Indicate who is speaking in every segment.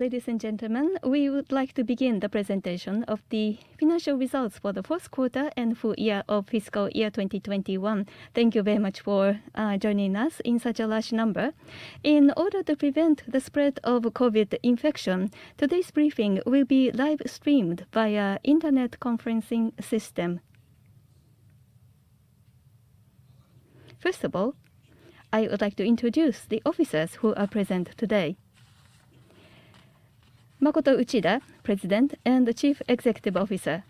Speaker 1: Ladies and gentlemen, we would like to begin the presentation of the financial results for the Q4 and full year of fiscal year 2021. Thank you very much for joining us in such a large number. In order to prevent the spread of COVID infection, today's briefing will be live streamed via internet conferencing system. First of all, I would like to introduce the officers who are present today. Makoto Uchida, President and Chief Executive Officer.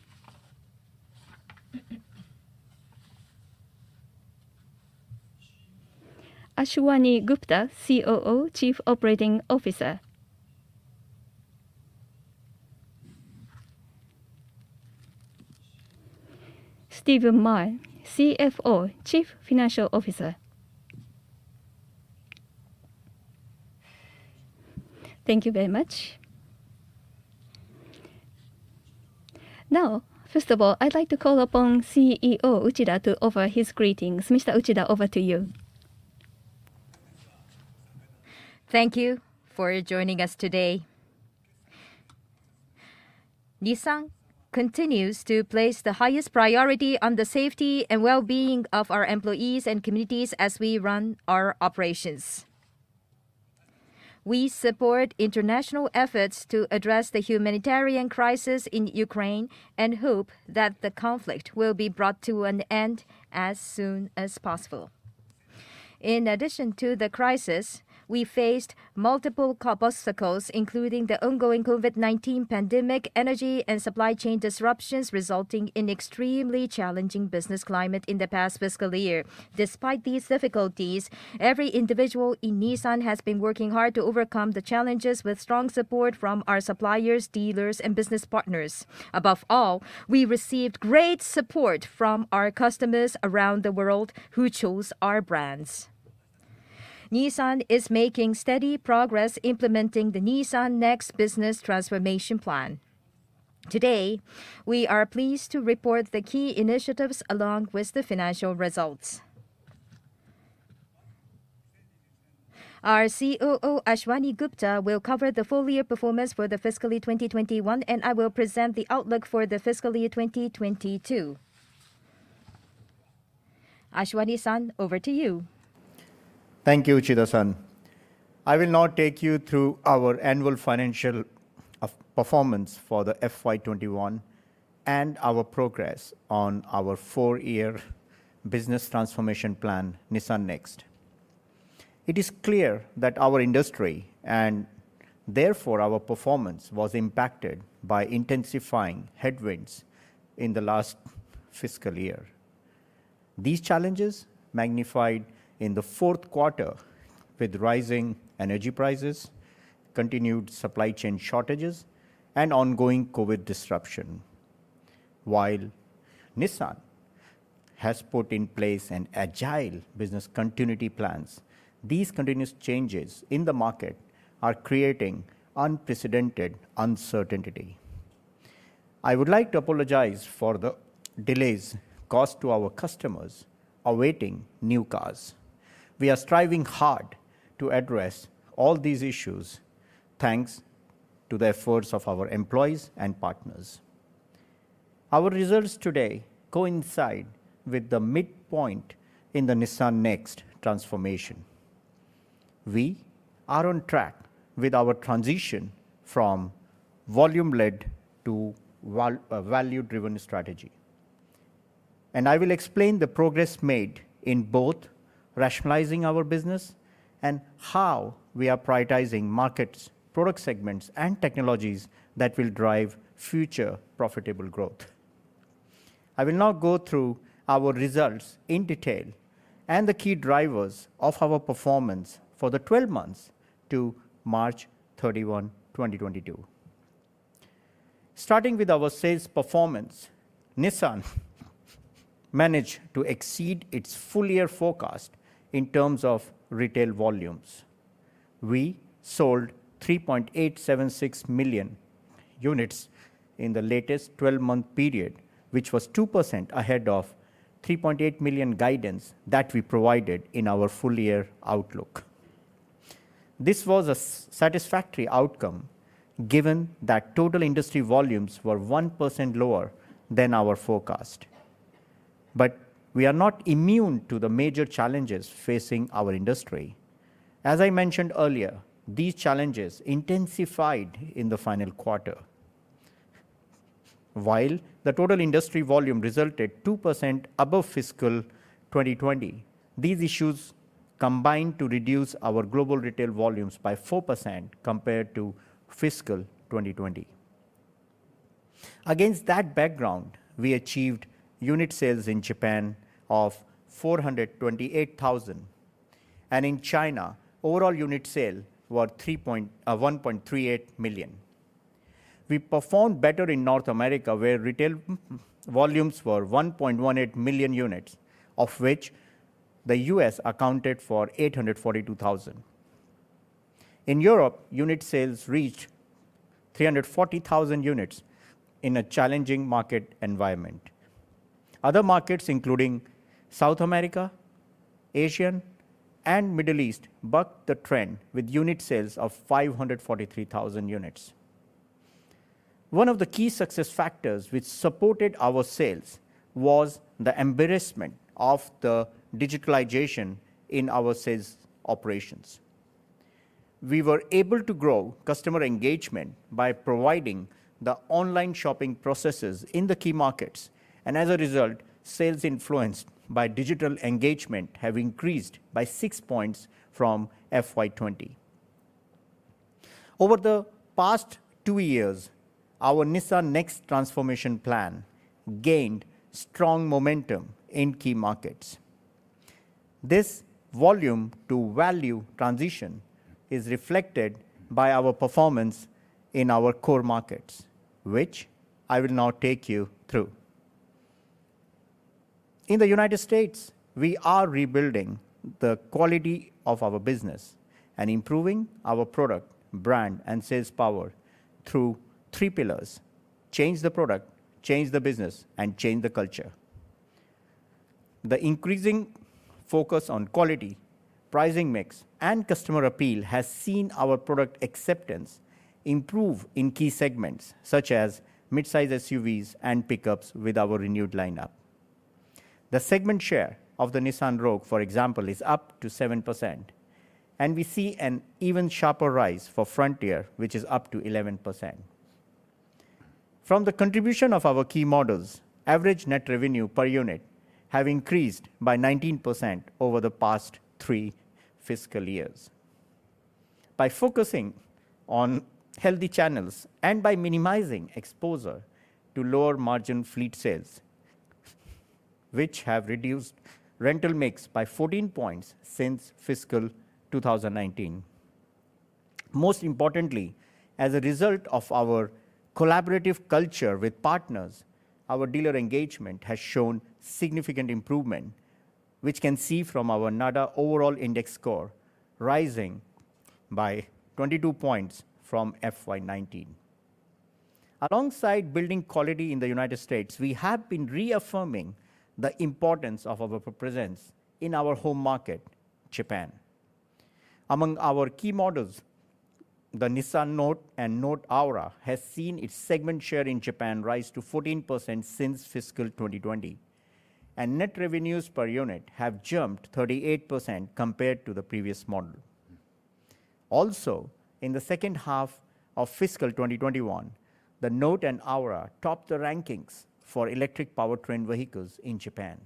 Speaker 1: Ashwani Gupta, COO, Chief Operating Officer. Stephen Ma, CFO, Chief Financial Officer. Thank you very much. Now, first of all, I'd like to call upon CEO Uchida to offer his greetings. Mr. Uchida, over to you.
Speaker 2: Thank you for joining us today. Nissan continues to place the highest priority on the safety and well-being of our employees and communities as we run our operations. We support international efforts to address the humanitarian crisis in Ukraine and hope that the conflict will be brought to an end as soon as possible. In addition to the crisis, we faced multiple obstacles, including the ongoing COVID-19 pandemic, energy and supply chain disruptions resulting in extremely challenging business climate in the past fiscal year. Despite these difficulties, every individual in Nissan has been working hard to overcome the challenges with strong support from our suppliers, dealers and business partners. Above all, we received great support from our customers around the world who chose our brands. Nissan is making steady progress implementing the Nissan NEXT Business Transformation Plan. Today, we are pleased to report the key initiatives along with the financial results. Our COO, Ashwani Gupta, will cover the full year performance for the fiscal year 2021, and I will present the outlook for the fiscal year 2022. Ashwani-san, over to you.
Speaker 3: Thank you, Uchida-san. I will now take you through our annual financial performance for the FY 2021 and our progress on our four-year business transformation plan, Nissan NEXT. It is clear that our industry, and therefore our performance, was impacted by intensifying headwinds in the last fiscal year. These challenges magnified in the Q4 with rising energy prices, continued supply chain shortages, and ongoing COVID disruption. While Nissan has put in place an agile business continuity plans, these continuous changes in the market are creating unprecedented uncertainty. I would like to apologize for the delays caused to our customers awaiting new cars. We are striving hard to address all these issues thanks to the efforts of our employees and partners. Our results today coincide with the midpoint in the Nissan NEXT transformation. We are on track with our transition from volume-led to value-driven strategy. I will explain the progress made in both rationalizing our business and how we are prioritizing markets, product segments and technologies that will drive future profitable growth. I will now go through our results in detail and the key drivers of our performance for the twelve months to March 31, 2022. Starting with our sales performance, Nissan managed to exceed its full year forecast in terms of retail volumes. We sold 3.876 million units in the latest twelve-month period, which was 2% ahead of 3.8 million guidance that we provided in our full year outlook. This was a satisfactory outcome given that total industry volumes were 1% lower than our forecast. We are not immune to the major challenges facing our industry. As I mentioned earlier, these challenges intensified in the final quarter. While the total industry volume resulted 2% above fiscal 2020, these issues combined to reduce our global retail volumes by 4% compared to fiscal 2020. Against that background, we achieved unit sales in Japan of 428,000 and in China, overall unit sales were 1.38 million. We performed better in North America, where retail volumes were 1.18 million units, of which the U.S. accounted for 842,000. In Europe, unit sales reached 340,000 units in a challenging market environment. Other markets including South America, Asia, and Middle East bucked the trend with unit sales of 543,000 units. One of the key success factors which supported our sales was the embrace of the digitalization in our sales operations. We were able to grow customer engagement by providing the online shopping processes in the key markets, and as a result, sales influenced by digital engagement have increased by 6 points from FY 2020. Over the past two years, our Nissan NEXT transformation plan gained strong momentum in key markets. This volume to value transition is reflected by our performance in our core markets, which I will now take you through. In the United States, we are rebuilding the quality of our business and improving our product, brand, and sales power through three pillars, change the product, change the business, and change the culture. The increasing focus on quality, pricing mix, and customer appeal has seen our product acceptance improve in key segments such as mid-size SUVs and pickups with our renewed lineup. The segment share of the Nissan Rogue, for example, is up to 7%, and we see an even sharper rise for Frontier, which is up to 11%. From the contribution of our key models, average net revenue per unit have increased by 19% over the past three fiscal years. By focusing on healthy channels and by minimizing exposure to lower-margin fleet sales, which have reduced rental mix by 14 points since fiscal 2019. Most importantly, as a result of our collaborative culture with partners, our dealer engagement has shown significant improvement, which we can see from our NADA overall index score rising by 22 points from FY 2019. Alongside building quality in the United States, we have been reaffirming the importance of our presence in our home market, Japan. Among our key models, the Nissan Note and Note Aura has seen its segment share in Japan rise to 14% since fiscal 2020, and net revenues per unit have jumped 38% compared to the previous model. Also, in the second half of fiscal 2021, the Note and Aura topped the rankings for electric powertrain vehicles in Japan.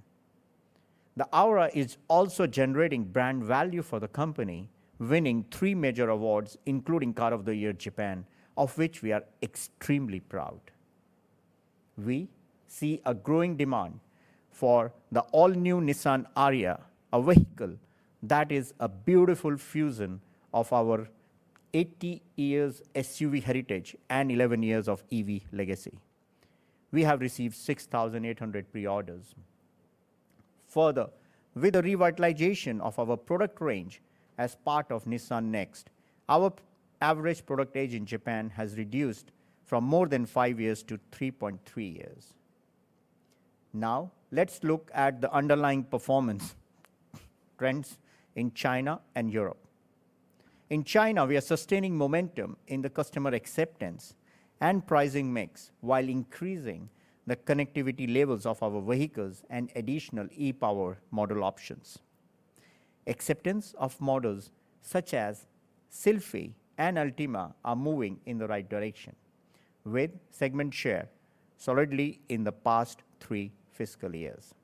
Speaker 3: The Aura is also generating brand value for the company, winning three major awards, including Car of the Year Japan, of which we are extremely proud. We see a growing demand for the all-new Nissan Ariya, a vehicle that is a beautiful fusion of our 80 years SUV heritage and 11 years of EV legacy. We have received 6,800 pre-orders. Further, with the revitalization of our product range as part of Nissan NEXT, our average product age in Japan has reduced from more than five years to 3.3 years. Now let's look at the underlying performance trends in China and Europe. In China, we are sustaining momentum in the customer acceptance and pricing mix while increasing the connectivity levels of our vehicles and additional e-POWER model options. Acceptance of models such as Sylphy and Altima are moving in the right direction with segment share solidly in the past three fiscal years.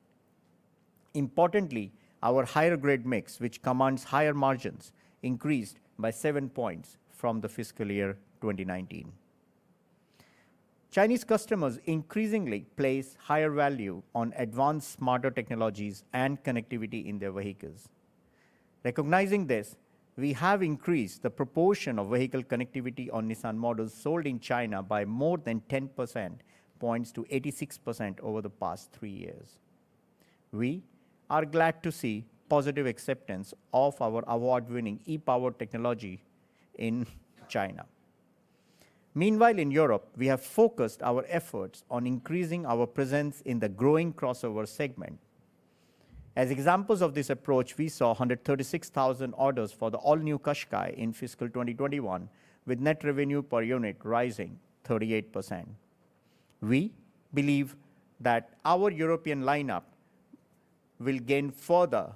Speaker 3: Importantly, our higher grade mix, which commands higher margins, increased by 7 points from the fiscal year 2019. Chinese customers increasingly place higher value on advanced smarter technologies and connectivity in their vehicles. Recognizing this, we have increased the proportion of vehicle connectivity on Nissan models sold in China by more than 10 percentage points to 86% over the past three years. We are glad to see positive acceptance of our award-winning e-POWER technology in China. Meanwhile in Europe, we have focused our efforts on increasing our presence in the growing crossover segment. As examples of this approach, we saw 136,000 orders for the all-new Qashqai in fiscal 2021, with net revenue per unit rising 38%. We believe that our European lineup will gain further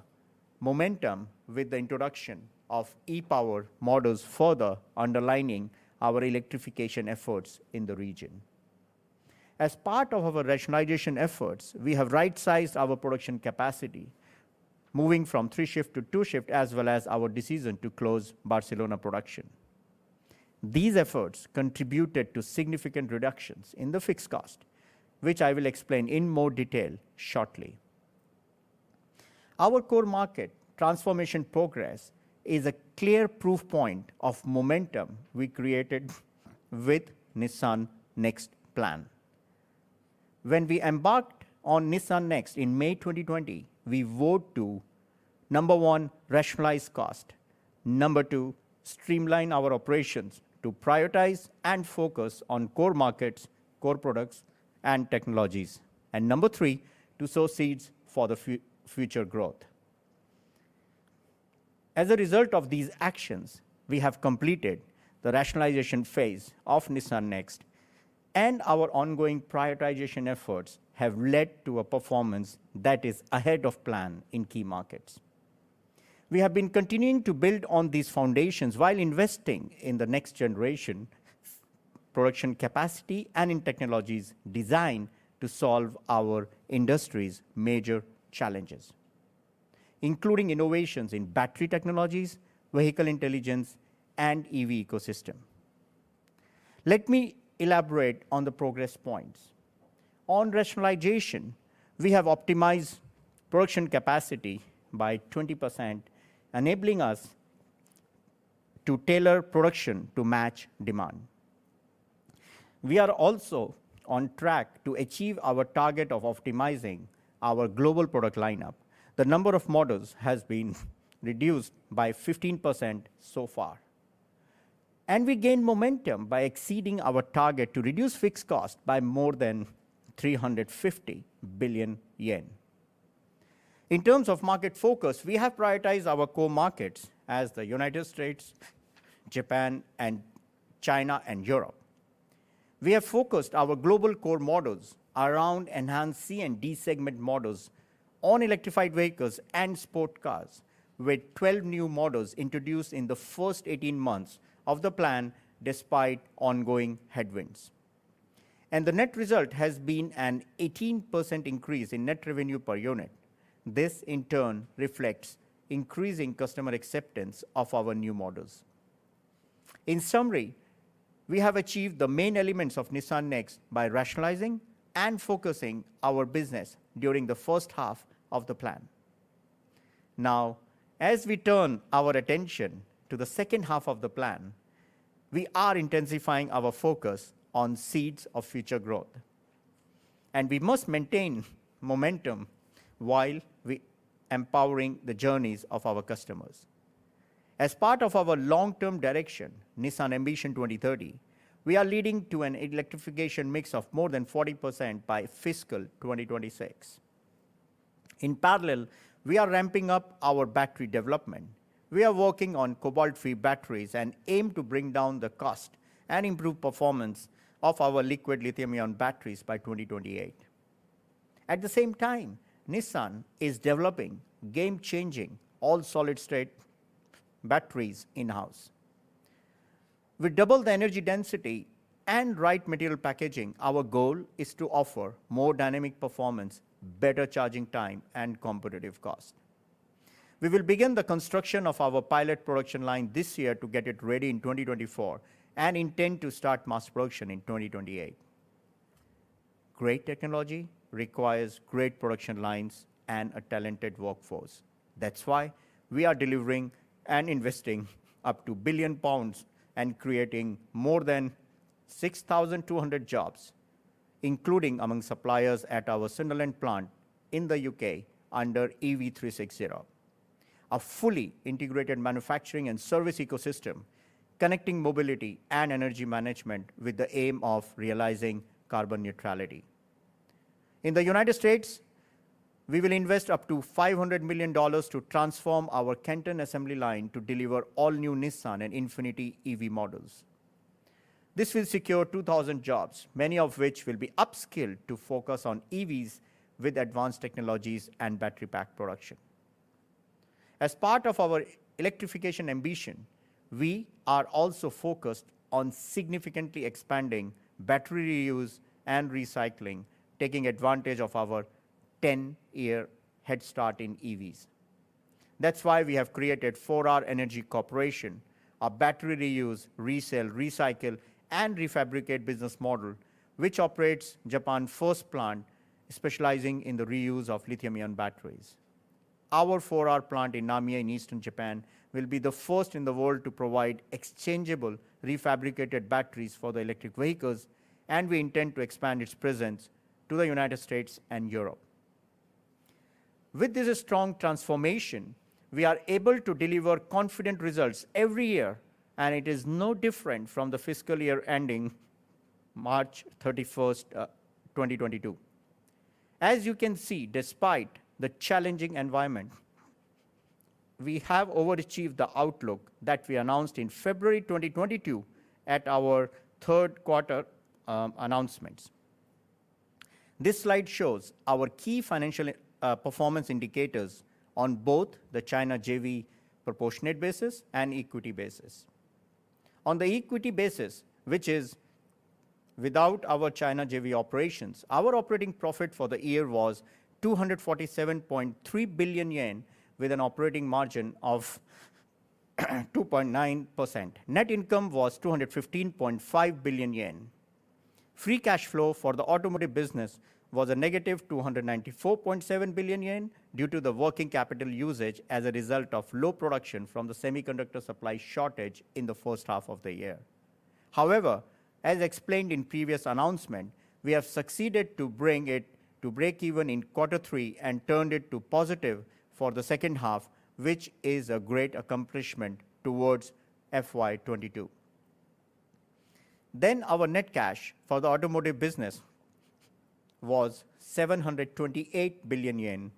Speaker 3: momentum with the introduction of e-POWER models further underlining our electrification efforts in the region. As part of our rationalization efforts, we have right-sized our production capacity, moving from three-shift to two-shift, as well as our decision to close Barcelona production. These efforts contributed to significant reductions in the fixed cost, which I will explain in more detail shortly. Our core market transformation progress is a clear proof point of momentum we created with Nissan NEXT plan. When we embarked on Nissan NEXT in May 2020, we vowed to. Number one, rationalize cost. Number two, streamline our operations to prioritize and focus on core markets, core products, and technologies. Number three, to sow seeds for the future growth. As a result of these actions, we have completed the rationalization phase of Nissan NEXT, and our ongoing prioritization efforts have led to a performance that is ahead of plan in key markets. We have been continuing to build on these foundations while investing in the next generation production capacity and in technologies designed to solve our industry's major challenges, including innovations in battery technologies, vehicle intelligence, and EV ecosystem. Let me elaborate on the progress points. On rationalization, we have optimized production capacity by 20%, enabling us to tailor production to match demand. We are also on track to achieve our target of optimizing our global product lineup. The number of models has been reduced by 15% so far. We gain momentum by exceeding our target to reduce fixed cost by more than 350 billion yen. In terms of market focus, we have prioritized our core markets as the United States, Japan and China, and Europe. We have focused our global core models around enhanced C and D segment models on electrified vehicles and sport cars, with 12 new models introduced in the first 18 months of the plan despite ongoing headwinds. The net result has been an 18% increase in net revenue per unit. This in turn reflects increasing customer acceptance of our new models. In summary, we have achieved the main elements of Nissan NEXT by rationalizing and focusing our business during the first half of the plan. Now, as we turn our attention to the second half of the plan, we are intensifying our focus on seeds of future growth, and we must maintain momentum while we empowering the journeys of our customers. As part of our long-term direction, Nissan Ambition 2030, we are leading to an electrification mix of more than 40% by fiscal 2026. In parallel, we are ramping up our battery development. We are working on cobalt-free batteries and aim to bring down the cost and improve performance of our liquid lithium-ion batteries by 2028. At the same time, Nissan is developing game-changing all-solid-state batteries in-house. With double the energy density and right material packaging, our goal is to offer more dynamic performance, better charging time, and competitive cost. We will begin the construction of our pilot production line this year to get it ready in 2024 and intend to start mass production in 2028. Great technology requires great production lines and a talented workforce. That’s why we are delivering and investing up to 1 billion pounds and creating more than 6,200 jobs, including among suppliers at our Sunderland plant in the U.K. under EV36Zero, a fully integrated manufacturing and service ecosystem connecting mobility and energy management with the aim of realizing carbon neutrality. In the United States, we will invest up to $500 million to transform our Canton assembly line to deliver all new Nissan and INFINITI EV models. This will secure 2,000 jobs, many of which will be upskilled to focus on EVs with advanced technologies and battery pack production. As part of our electrification ambition, we are also focused on significantly expanding battery reuse and recycling, taking advantage of our 10-year head start in EVs. That’s why we have created 4R Energy Corporation, a battery reuse, resell, recycle, and refabricate business model, which operates Japan's first plant specializing in the reuse of lithium-ion batteries. Our 4R plant in Namie in eastern Japan will be the first in the world to provide exchangeable refabricated batteries for the electric vehicles, and we intend to expand its presence to the United States and Europe. With this strong transformation, we are able to deliver consistent results every year, and it is no different from the fiscal year ending March 31, 2022. As you can see, despite the challenging environment, we have overachieved the outlook that we announced in February 2022 at our Q3 announcements. This slide shows our key financial performance indicators on both the China JV proportionate basis and equity basis. On the equity basis, which is without our China JV operations, our operating profit for the year was 247.3 billion yen, with an operating margin of 2.9%. Net income was 215.5 billion yen. Free cash flow for the automotive business was a negative 294.7 billion yen due to the working capital usage as a result of low production from the semiconductor supply shortage in the first half of the year. However, as explained in previous announcement, we have succeeded to bring it to break even in Q3 and turned it to positive for the second half, which is a great accomplishment towards FY22. Our net cash for the automotive business was 728 billion yen.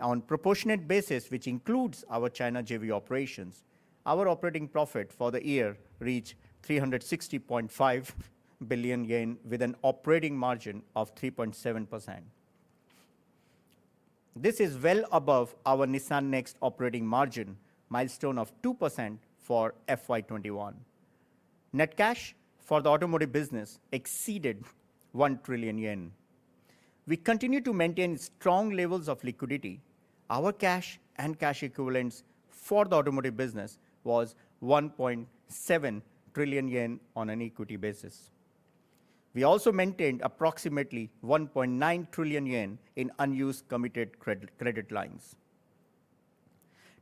Speaker 3: On proportionate basis, which includes our China JV operations, our operating profit for the year reached 360.5 billion yen with an operating margin of 3.7%. This is well above our Nissan NEXT operating margin milestone of 2% for FY21. Net cash for the automotive business exceeded 1 trillion yen. We continue to maintain strong levels of liquidity. Our cash and cash equivalents for the automotive business was 1.7 trillion yen on an equity basis. We also maintained approximately 1.9 trillion yen in unused committed credit lines.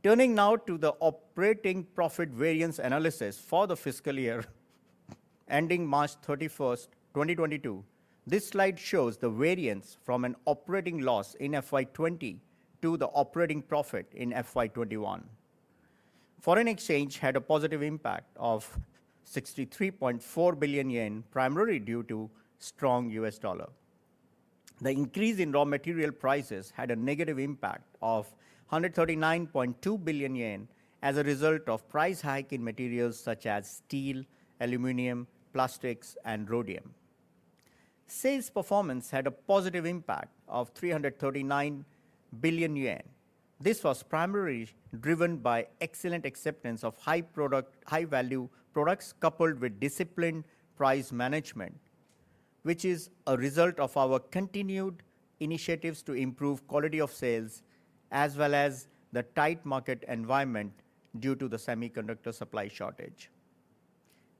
Speaker 3: Turning now to the operating profit variance analysis for the fiscal year ending March 31, 2022, this slide shows the variance from an operating loss in FY2020 to the operating profit in FY2021. Foreign exchange had a positive impact of 63.4 billion yen, primarily due to strong U.S. dollar. The increase in raw material prices had a negative impact of 139.2 billion yen as a result of price hike in materials such as steel, aluminum, plastics and rhodium. Sales performance had a positive impact of 339 billion yen. This was primarily driven by excellent acceptance of high product, high value products, coupled with disciplined price management, which is a result of our continued initiatives to improve quality of sales, as well as the tight market environment due to the semiconductor supply shortage.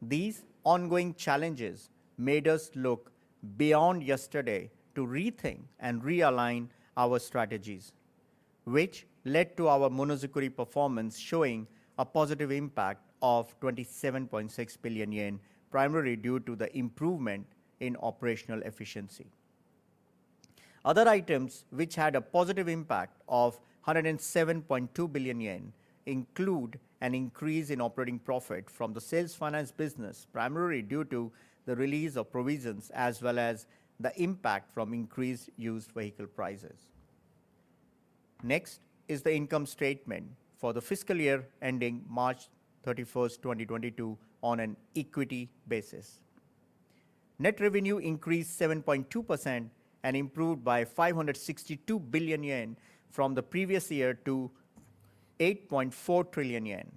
Speaker 3: These ongoing challenges made us look beyond yesterday to rethink and realign our strategies, which led to our Monozukuri performance showing a positive impact of 27.6 billion yen, primarily due to the improvement in operational efficiency. Other items which had a positive impact of 107.2 billion yen include an increase in operating profit from the sales finance business, primarily due to the release of provisions as well as the impact from increased used vehicle prices. Next is the income statement for the fiscal year ending March 31, 2022, on an equity basis. Net revenue increased 7.2% and improved by 562 billion yen from the previous year to 8.4 trillion yen.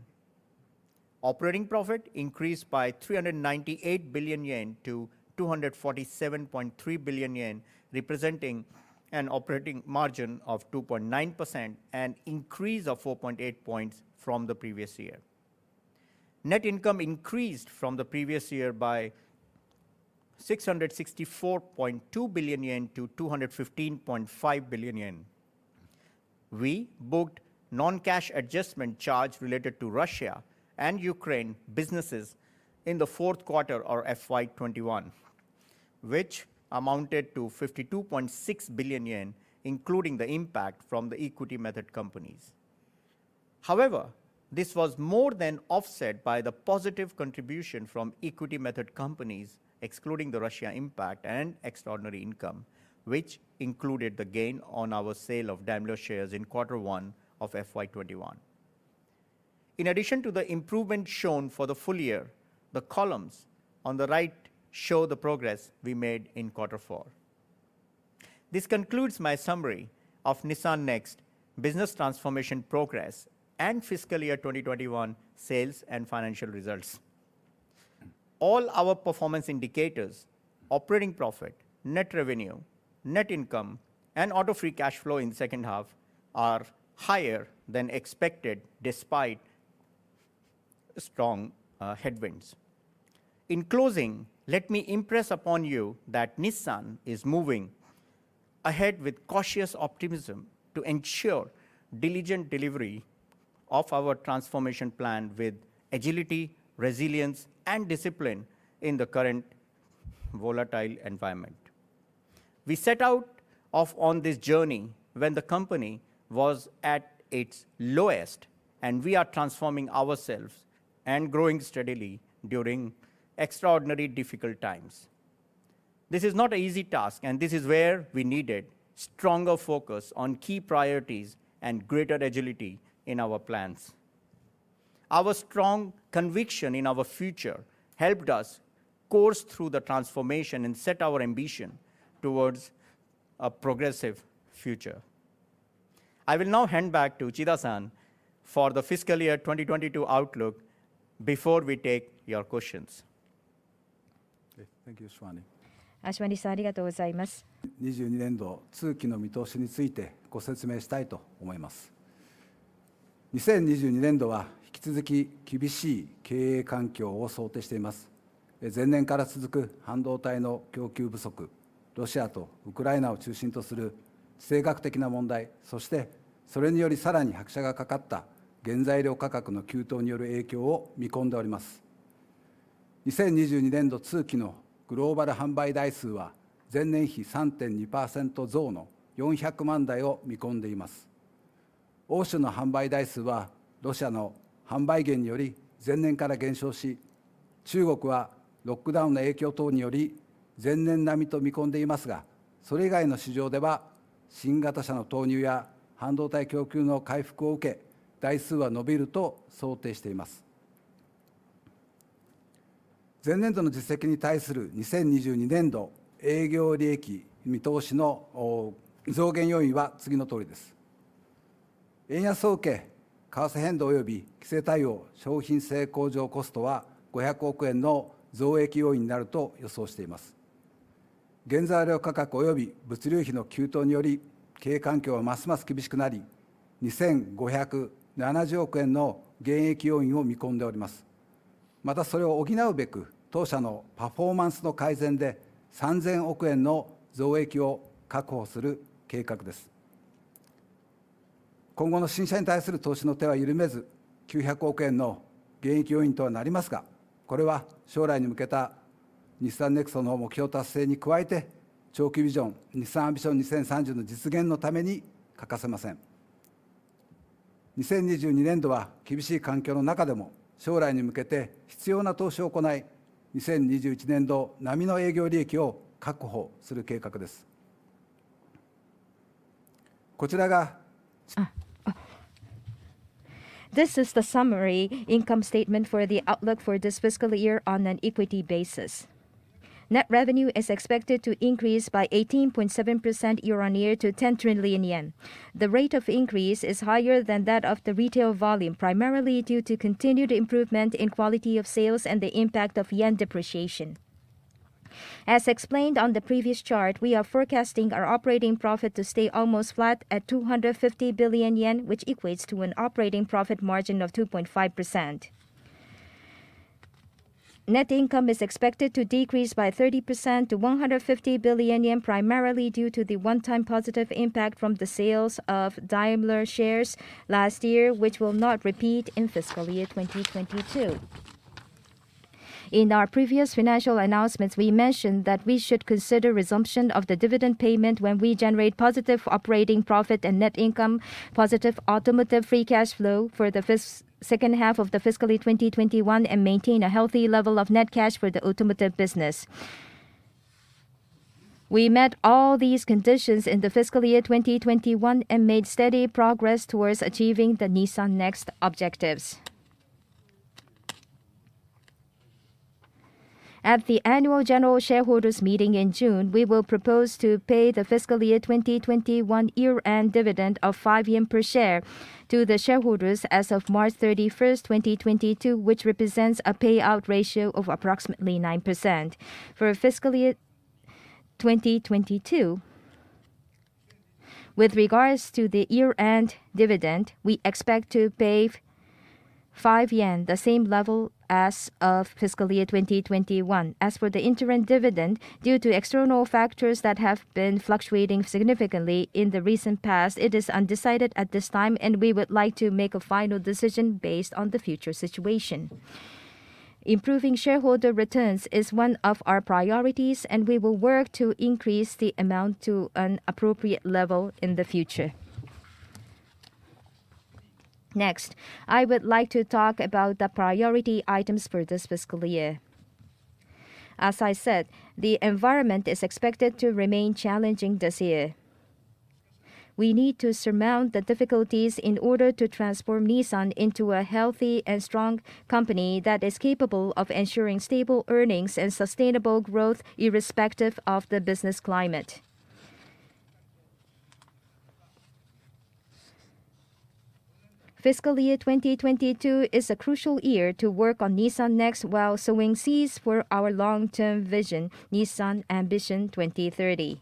Speaker 3: Operating profit increased by 398 billion yen to 247.3 billion yen, representing an operating margin of 2.9%, an increase of 4.8 points from the previous year. Net income increased from the previous year by 664.2 billion yen to 215.5 billion yen. We booked non-cash adjustment charge related to Russia and Ukraine businesses in the Q4 or FY 2021, which amounted to 52.6 billion yen, including the impact from the equity method companies. However, this was more than offset by the positive contribution from equity method companies excluding the Russia impact and extraordinary income, which included the gain on our sale of Daimler shares in Q1 of FY21. In addition to the improvement shown for the full year, the columns on the right show the progress we made in Q4. This concludes my summary of Nissan Next business transformation progress and fiscal year 2021 sales and financial results. All our performance indicators, operating profit, net revenue, net income and auto free cash flow in second half are higher than expected despite strong headwinds. In closing, let me impress upon you that Nissan is moving ahead with cautious optimism to ensure diligent delivery of our transformation plan with agility, resilience and discipline in the current volatile environment. We set out on this journey when the company was at its lowest, and we are transforming ourselves and growing steadily during extraordinarily difficult times. This is not an easy task and this is where we needed stronger focus on key priorities and greater agility in our plans. Our strong conviction in our future helped us course through the transformation and set our ambition towards a progressive future. I will now hand back to Uchida-san for the fiscal year 2022 outlook before we take your questions. Okay, thank you, Ashwani. Ashwani-san,
Speaker 2: Russia to Ukraine. This is the summary income statement for the outlook for this fiscal year on an equity basis. Net revenue is expected to increase by 18.7% year-on-year to 10 trillion yen. The rate of increase is higher than that of the retail volume, primarily due to continued improvement in quality of sales and the impact of yen depreciation. As explained on the previous chart, we are forecasting our operating profit to stay almost flat at 250 billion yen, which equates to an operating profit margin of 2.5%. Net income is expected to decrease by 30% to 150 billion yen, primarily due to the one-time positive impact from the sales of Daimler shares last year, which will not repeat in fiscal year 2022. In our previous financial announcements, we mentioned that we should consider resumption of the dividend payment when we generate positive operating profit and net income, positive automotive free cash flow for the second half of the fiscal year 2021, and maintain a healthy level of net cash for the automotive business. We met all these conditions in the fiscal year 2021 and made steady progress towards achieving Nissan NEXT objectives. At the annual general shareholders meeting in June, we will propose to pay the fiscal year 2021 year-end dividend of 5 yen per share to the shareholders as of March 31, 2022, which represents a payout ratio of approximately 9%. For fiscal year 2022, with regards to the year-end dividend, we expect to pay 5 yen, the same level as of fiscal year 2021. As for the interim dividend, due to external factors that have been fluctuating significantly in the recent past, it is undecided at this time, and we would like to make a final decision based on the future situation. Improving shareholder returns is one of our priorities, and we will work to increase the amount to an appropriate level in the future. Next, I would like to talk about the priority items for this fiscal year. As I said, the environment is expected to remain challenging this year. We need to surmount the difficulties in order to transform Nissan into a healthy and strong company that is capable of ensuring stable earnings and sustainable growth irrespective of the business climate. Fiscal year 2022 is a crucial year to work on Nissan NEXT while sowing seeds for our long-term vision, Nissan Ambition 2030.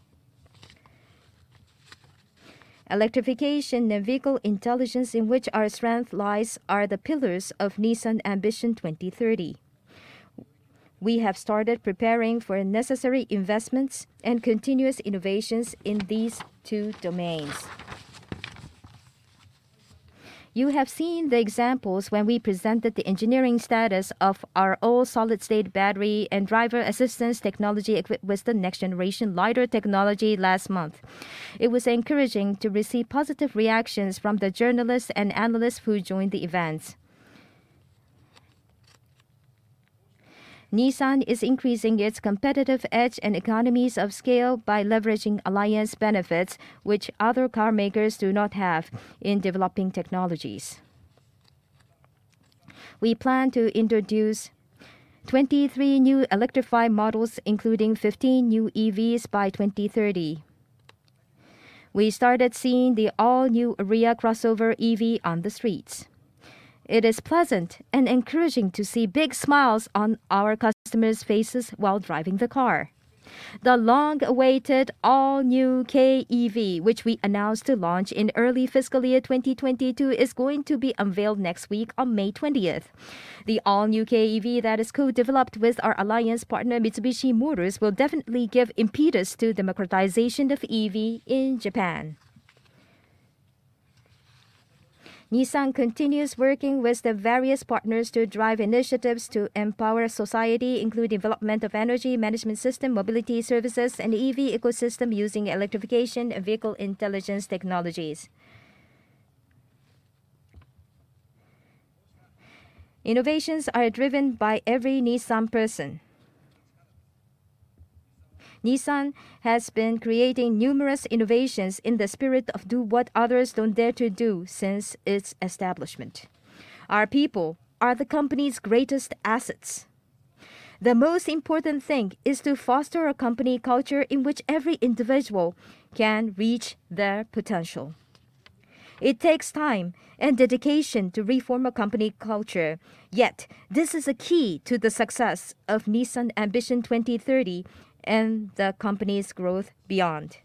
Speaker 2: Electrification and vehicle intelligence in which our strength lies are the pillars of Nissan Ambition 2030. We have started preparing for necessary investments and continuous innovations in these two domains. You have seen the examples when we presented the engineering status of our all-solid-state battery and driver assistance technology equipped with the next-generation LiDAR technology last month. It was encouraging to receive positive reactions from the journalists and analysts who joined the events. Nissan is increasing its competitive edge and economies of scale by leveraging alliance benefits which other car makers do not have in developing technologies. We plan to introduce 23 new electrified models, including 15 new EVs by 2030. We started seeing the all-new Ariya crossover EV on the streets. It is pleasant and encouraging to see big smiles on our customers' faces while driving the car. The long-awaited all-new Kei EV, which we announced to launch in early fiscal year 2022, is going to be unveiled next week on May twentieth. The all-new Kei EV that is co-developed with our alliance partner, Mitsubishi Motors, will definitely give impetus to democratization of EV in Japan. Nissan continues working with the various partners to drive initiatives to empower society, including development of energy management system, mobility services, and EV ecosystem using electrification and vehicle intelligence technologies. Innovations are driven by every Nissan person. Nissan has been creating numerous innovations in the spirit of do what others don't dare to do since its establishment. Our people are the company's greatest assets. The most important thing is to foster a company culture in which every individual can reach their potential. It takes time and dedication to reform a company culture, yet this is a key to the success of Nissan Ambition 2030 and the company's growth beyond.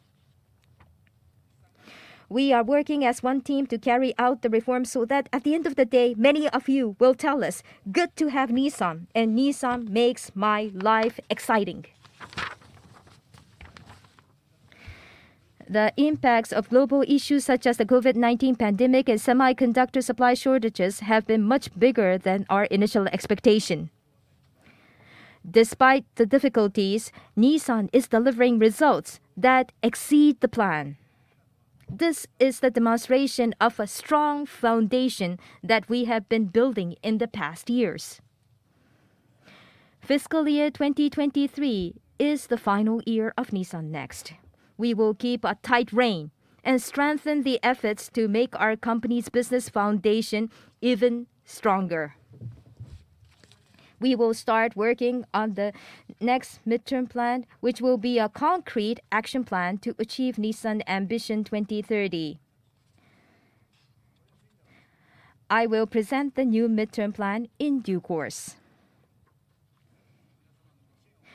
Speaker 2: We are working as one team to carry out the reform so that at the end of the day, many of you will tell us, "Good to have Nissan," and, "Nissan makes my life exciting." The impacts of global issues such as the COVID-19 pandemic and semiconductor supply shortages have been much bigger than our initial expectation. Despite the difficulties, Nissan is delivering results that exceed the plan. This is the demonstration of a strong foundation that we have been building in the past years. Fiscal year 2023 is the final year of Nissan NEXT. We will keep a tight rein and strengthen the efforts to make our company's business foundation even stronger. We will start working on the next midterm plan, which will be a concrete action plan to achieve Nissan Ambition 2030. I will present the new midterm plan in due course.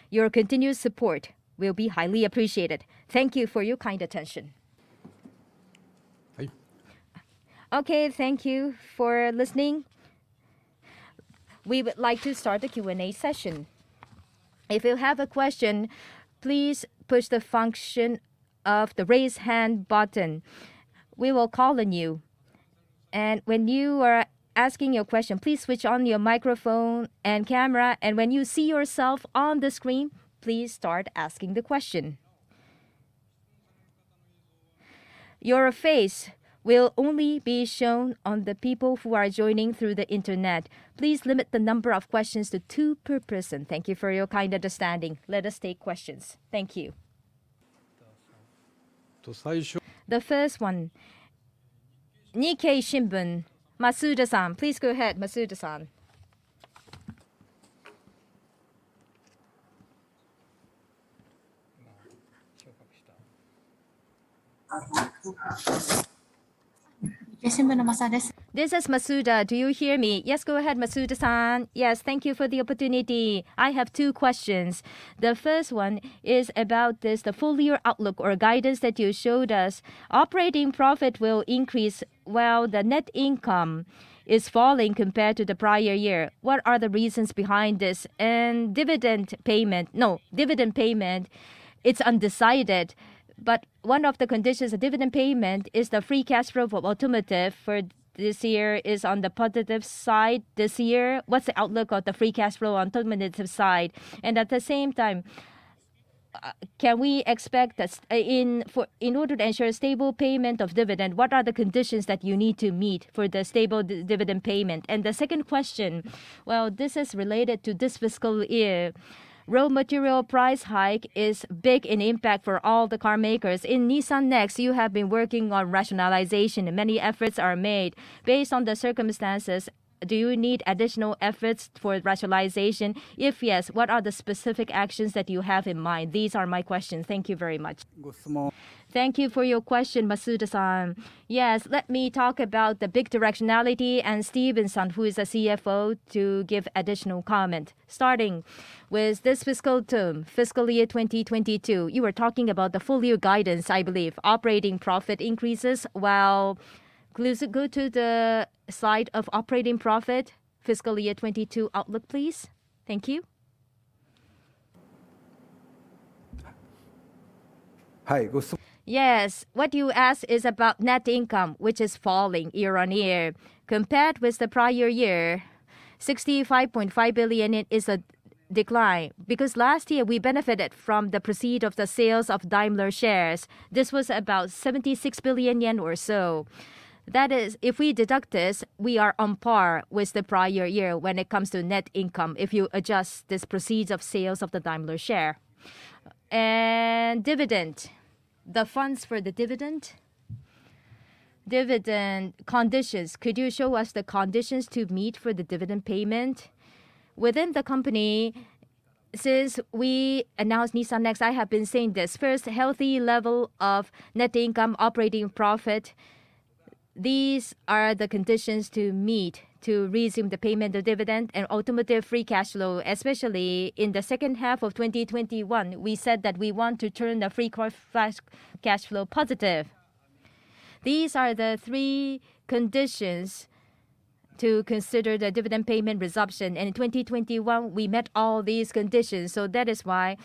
Speaker 2: Your continued support will be highly appreciated. Thank you for your kind attention.
Speaker 3: Hi.
Speaker 2: Okay, thank you for listening. We would like to start the Q&A session. If you have a question, please push the function of the Raise Hand button. We will call on you. When you are asking your question, please switch on your microphone and camera, and when you see yourself on the screen, please start asking the question. Your face will only be shown on the people who are joining through the internet. Please limit the number of questions to two per person. Thank you for your kind understanding. Let us take questions. Thank you.
Speaker 3: The first- The first one, Nikkei Shimbun, Masuda-san. Please go ahead, Masuda-san. This is Masuda. Do you hear me? Yes, go ahead, Masuda-san. Yes, thank you for the opportunity. I have two questions. The first one is about this, the full year outlook or guidance that you showed us. Operating profit will increase while the net income is falling compared to the prior year. What are the reasons behind this? And dividend payment. No. Dividend payment, it's undecided, but one of the conditions of dividend payment is the free cash flow for automotive for this year is on the positive side this year. What's the outlook of the free cash flow on automotive side? And at the same time, can we expect In order to ensure a stable payment of dividend, what are the conditions that you need to meet for the stable dividend payment?
Speaker 2: The second question. Well, this is related to this fiscal year. Raw material price hike is big in impact for all the carmakers. In Nissan NEXT, you have been working on rationalization. Many efforts are made. Based on the circumstances, do you need additional efforts for rationalization? If yes, what are the specific actions that you have in mind? These are my questions. Thank you very much. Thank you for your question, Masuda-san. Yes, let me talk about the big directionality, and Stephen Ma, who is the CFO, to give additional comment. Starting with this fiscal term, fiscal year 2022, you were talking about the full year guidance, I believe. Operating profit increases while. Please go to the side of operating profit fiscal year 2022 outlook, please. Thank you.
Speaker 3: Hi, Gosu
Speaker 2: Yes. What you ask is about net income, which is falling year-on-year. Compared with the prior year, 65.5 billion is a decline because last year we benefited from the proceeds of the sales of Daimler shares. This was about 76 billion yen or so. That is, if we deduct this, we are on par with the prior year when it comes to net income, if you adjust this proceeds of sales of the Daimler share. Dividend. The funds for the dividend. Dividend conditions. Could you show us the conditions to meet for the dividend payment? Within the company, since we announced Nissan NEXT, I have been saying this. First, healthy level of net income operating profit. These are the conditions to meet to resume the payment of dividend and automotive free cash flow, especially in the second half of 2021, we said that we want to turn the free cash flow positive. These are the three conditions to consider the dividend payment resumption. In 2021, we met all these conditions, so that is why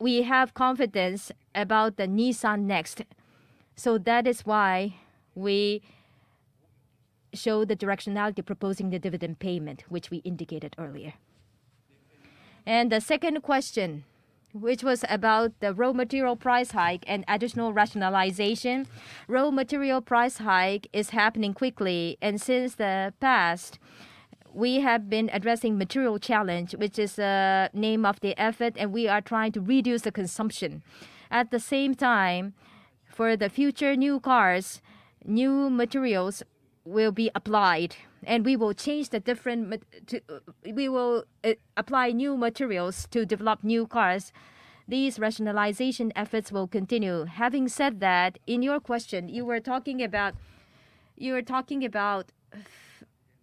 Speaker 2: We have confidence about the Nissan NEXT. That is why we show the directionality proposing the dividend payment, which we indicated earlier. The second question, which was about the raw material price hike and additional rationalization. Raw material price hike is happening quickly, and since the past, we have been addressing Material Challenge, which is the name of the effort, and we are trying to reduce the consumption. At the same time, for the future new cars, new materials will be applied. We will apply new materials to develop new cars. These rationalization efforts will continue. Having said that, in your question, you were talking about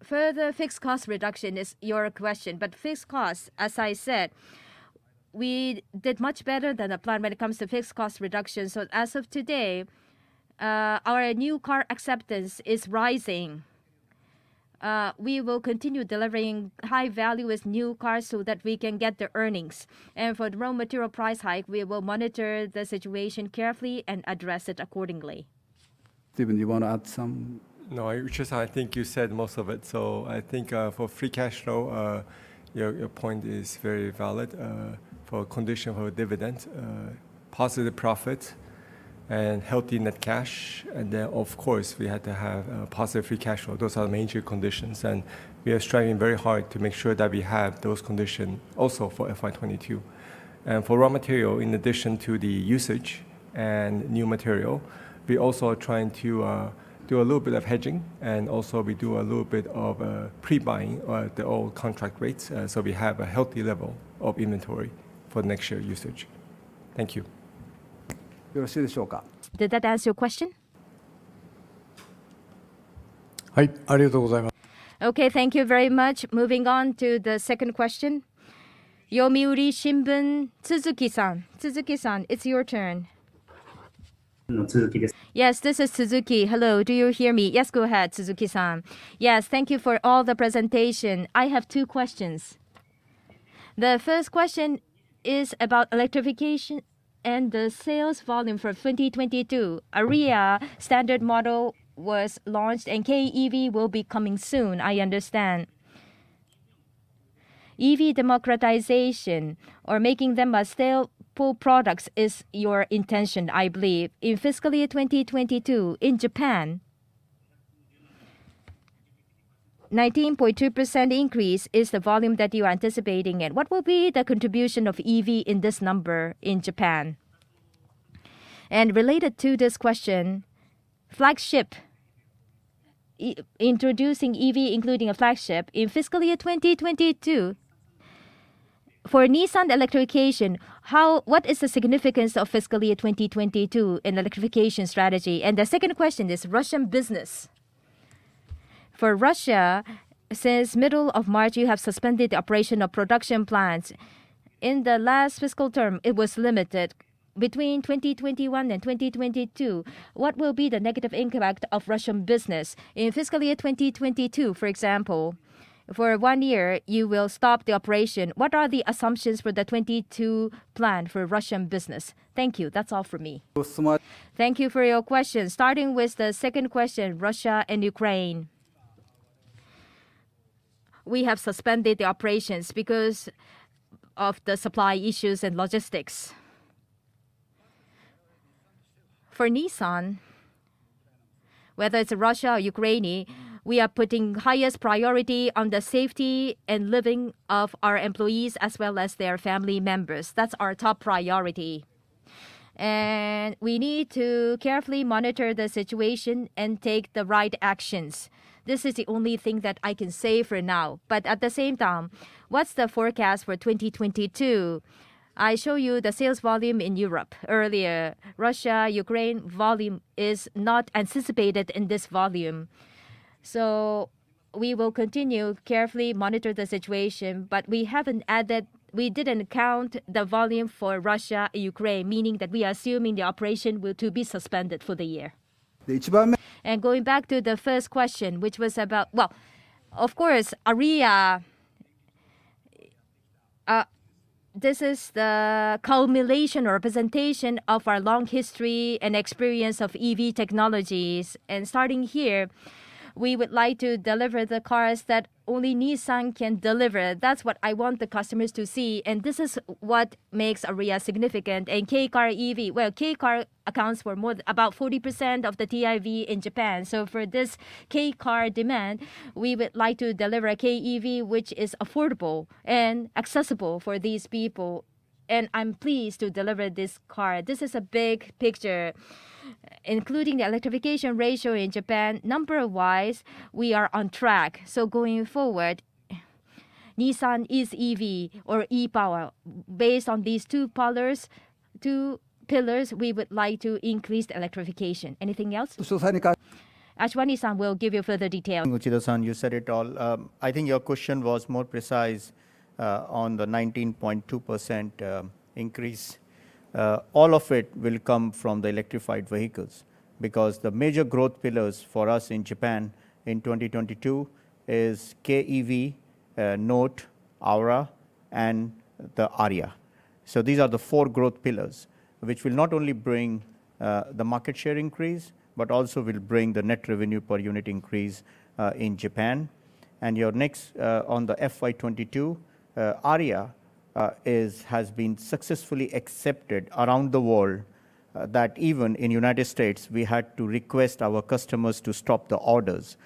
Speaker 2: further fixed cost reduction is your question. But fixed cost, as I said, we did much better than the plan when it comes to fixed cost reduction. As of today, our new car acceptance is rising. We will continue delivering high value as new cars so that we can get the earnings. For the raw material price hike, we will monitor the situation carefully and address it accordingly.
Speaker 3: Stephen, you wanna add some?
Speaker 4: No, Uchida-san, I think you said most of it. I think, for free cash flow, your point is very valid. For condition for dividend, positive profit and healthy net cash. Of course, we had to have positive free cash flow. Those are major conditions, and we are striving very hard to make sure that we have those condition also for FY 2022. For raw material, in addition to the usage and new material, we also are trying to do a little bit of hedging. Also, we do a little bit of pre-buying the old contract rates, so we have a healthy level of inventory for next year usage. Thank you.
Speaker 2: Did that answer your question? Okay, thank you very much. Moving on to the second question. Yomiuri Shimbun, Tsuzuki-san. Tsuzuki-san, it's your turn. Tsuzuki- Yes, this is Tsuzuki. Hello. Do you hear me? Yes, go ahead, Tsuzuki-san. Yes, thank you for all the presentation. I have two questions. The first question is about electrification and the sales volume for 2022. Ariya standard model was launched, and Kei EV will be coming soon, I understand. EV democratization or making them salable products is your intention, I believe. In fiscal year 2022, in Japan, 19.2% increase is the volume that you're anticipating. What will be the contribution of EV in this number in Japan? Related to this question, flagship introducing EV including a flagship. In fiscal year 2022, for Nissan electrification, what is the significance of fiscal year 2022 in electrification strategy? The second question is Russian business. For Russia, since middle of March, you have suspended operation of production plants. In the last fiscal term, it was limited. Between 2021 and 2022, what will be the negative impact of Russian business? In fiscal year 2022, for example, for one year, you will stop the operation. What are the assumptions for the 2022 plan for Russian business? Thank you. That's all for me.
Speaker 3: Tsu-
Speaker 2: Thank you for your question. Starting with the second question, Russia and Ukraine. We have suspended the operations because of the supply issues and logistics. For Nissan, whether it's Russia or Ukraine, we are putting highest priority on the safety and living of our employees as well as their family members. That's our top priority. We need to carefully monitor the situation and take the right actions. This is the only thing that I can say for now. At the same time, what's the forecast for 2022? I show you the sales volume in Europe earlier. Russia, Ukraine volume is not anticipated in this volume. We will continue carefully monitor the situation, but we didn't count the volume for Russia, Ukraine, meaning that we are assuming the operation will to be suspended for the year. Going back to the first question, which was about Ariya. Of course, Ariya, this is the culmination or representation of our long history and experience of EV technologies. Starting here, we would like to deliver the cars that only Nissan can deliver. That's what I want the customers to see, and this is what makes Ariya significant. Kei car EV, Kei car accounts for more, about 40% of the TIV in Japan. For this Kei car demand, we would like to deliver a Kei EV which is affordable and accessible for these people. I'm pleased to deliver this car. This is a big picture, including the electrification ratio in Japan. Number wise, we are on track. Going forward, Nissan is EV or e-POWER. Based on these two powers, two pillars, we would like to increase the electrification. Anything else? Ashwani-san will give you further detail.
Speaker 3: Thank you, Uchida-san. You said it all. I think your question was more precise on the 19.2% increase. All of it will come from the electrified vehicles. Because the major growth pillars for us in Japan in 2022 is Kei EV, Note, Aura. The Ariya. These are the four growth pillars, which will not only bring the market share increase, but also will bring the net revenue per unit increase in Japan. Next on the FY22 Ariya has been successfully accepted around the world, that even in the United States we had to request our customers to stop the orders.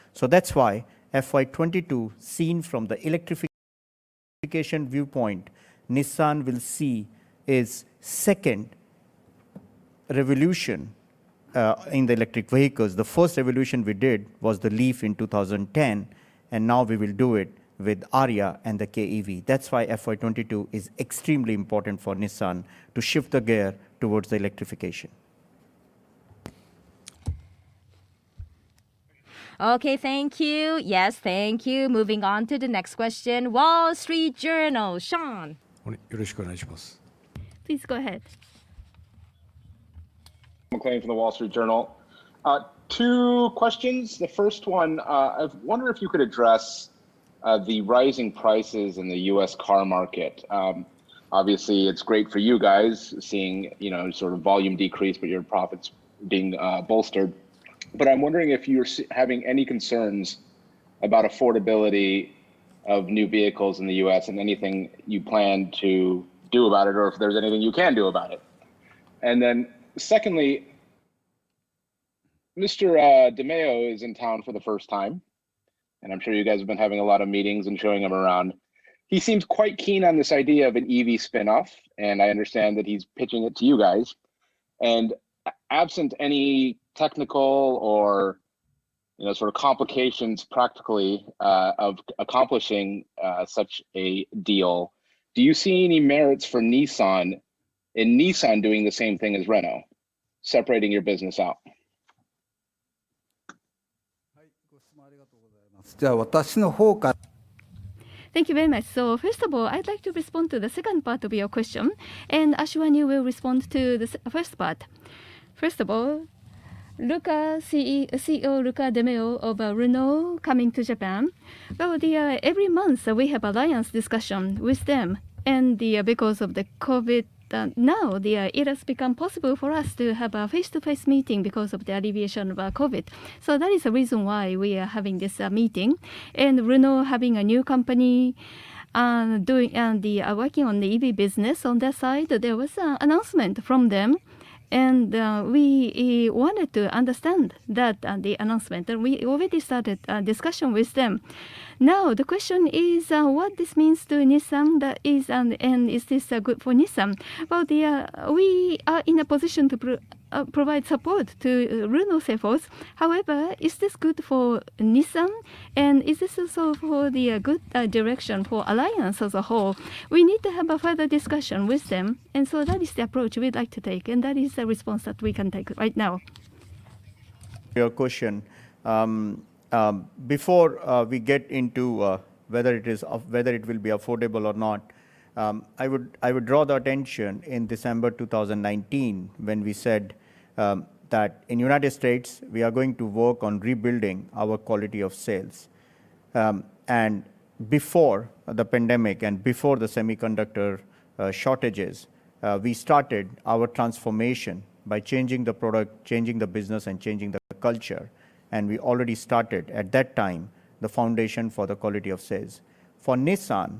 Speaker 3: FY22, seen from the electrification viewpoint, Nissan will see its second revolution in the electric vehicles. The first revolution we did was the LEAF in 2010, and now we will do it with Ariya and the Kei EV. FY22 is extremely important for Nissan to shift the gear towards electrification.
Speaker 2: Okay, thank you. Yes, thank you. Moving on to the next question. Wall Street Journal, Sean.
Speaker 1: Please go ahead.
Speaker 5: Sean McLain from the Wall Street Journal. Two questions. The first one, I wonder if you could address the rising prices in the US car market. Obviously, it's great for you guys seeing sort of volume decrease, but your profits being bolstered. I'm wondering if you're having any concerns about affordability of new vehicles in the US and anything you plan to do about it or if there's anything you can do about it. Then secondly, Mr. de Meo is in town for the first time, and I'm sure you guys have been having a lot of meetings and showing him around. He seems quite keen on this idea of an EV spinoff, and I understand that he's pitching it to you guys. Absent any technical or sort of complications practically, of accomplishing such a deal, do you see any merits for Nissan, in Nissan doing the same thing as Renault, separating your business out?
Speaker 2: Thank you very much. First of all, I'd like to respond to the second part of your question, and Ashwani will respond to the first part. First of all, CEO Luca de Meo of Renault coming to Japan. Every month we have Alliance discussion with them. Because of the COVID, now it has become possible for us to have a face-to-face meeting because of the alleviation of COVID. That is the reason why we are having this meeting. Renault having a new company doing, and the working on the EV business on their side. There was an announcement from them, and we wanted to understand that the announcement. We already started a discussion with them. Now, the question is, what this means to Nissan, that is, and is this good for Nissan? Well, we are in a position to provide support to Renault Ampere's. However, is this good for Nissan? And is this also for the good direction for the Alliance as a whole? We need to have a further discussion with them. That is the approach we'd like to take, and that is the response that we can take right now.
Speaker 3: Your question. Before we get into whether it will be affordable or not, I would draw the attention in December 2019 when we said that in United States we are going to work on rebuilding our quality of sales. Before the pandemic and before the semiconductor shortages, we started our transformation by changing the product, changing the business, and changing the culture. We already started at that time the foundation for the quality of sales. For Nissan,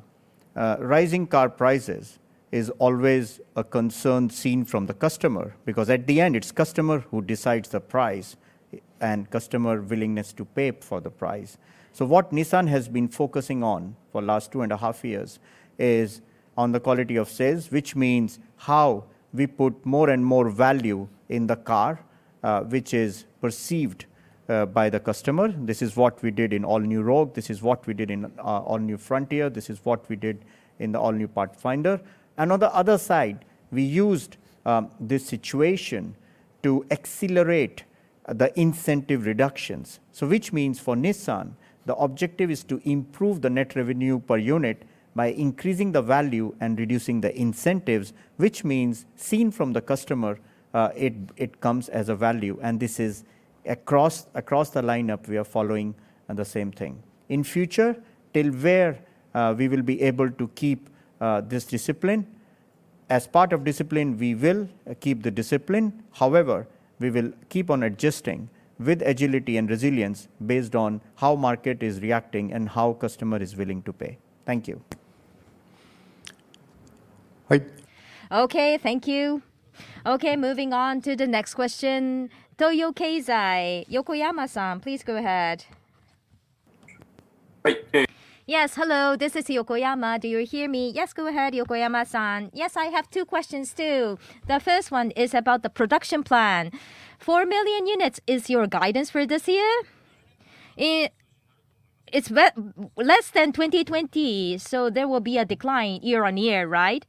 Speaker 3: rising car prices is always a concern seen from the customer because at the end it's customer who decides the price and customer willingness to pay for the price. What Nissan has been focusing on for last two and a half years is on the quality of sales, which means how we put more and more value in the car, which is perceived by the customer. This is what we did in all-new Rogue. This is what we did in all-new Frontier. This is what we did in the all-new Pathfinder. On the other side, we used this situation to accelerate the incentive reductions. Which means for Nissan, the objective is to improve the net revenue per unit by increasing the value and reducing the incentives, which means seen from the customer, it comes as a value. This is across the lineup we are following the same thing. In future, till where we will be able to keep this discipline. As part of discipline, we will keep the discipline. However, we will keep on adjusting with agility and resilience based on how market is reacting and how customer is willing to pay. Thank you.
Speaker 2: Okay, thank you. Okay, moving on to the next question. Toyo Keizai, Yokoyama-san, please go ahead. Yes, hello, this is Yokoyama. Do you hear me? Yes, go ahead, Yokoyama-san. Yes, I have 2 questions too. The first one is about the production plan. 4 million units is your guidance for this year? It's less than 2020, so there will be a decline year-on-year, right?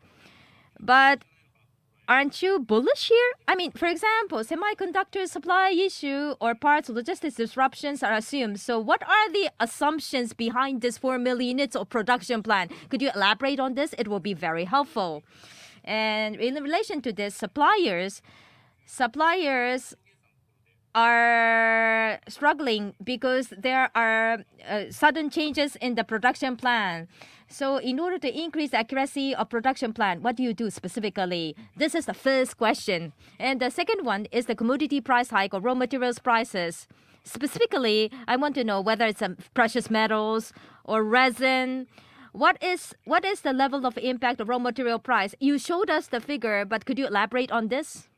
Speaker 2: Aren't you bullish here? I mean, for example, semiconductor supply issue or parts logistics disruptions are assumed. What are the assumptions behind this 4 million units of production plan? Could you elaborate on this? It will be very helpful. In relation to this, suppliers are struggling because there are sudden changes in the production plan. In order to increase accuracy of production plan, what do you do specifically? This is the first question. The second one is the commodity price hike of raw materials prices. Specifically, I want to know whether it's precious metals or resin. What is the level of impact of raw material price? You showed us the figure, but could you elaborate on this?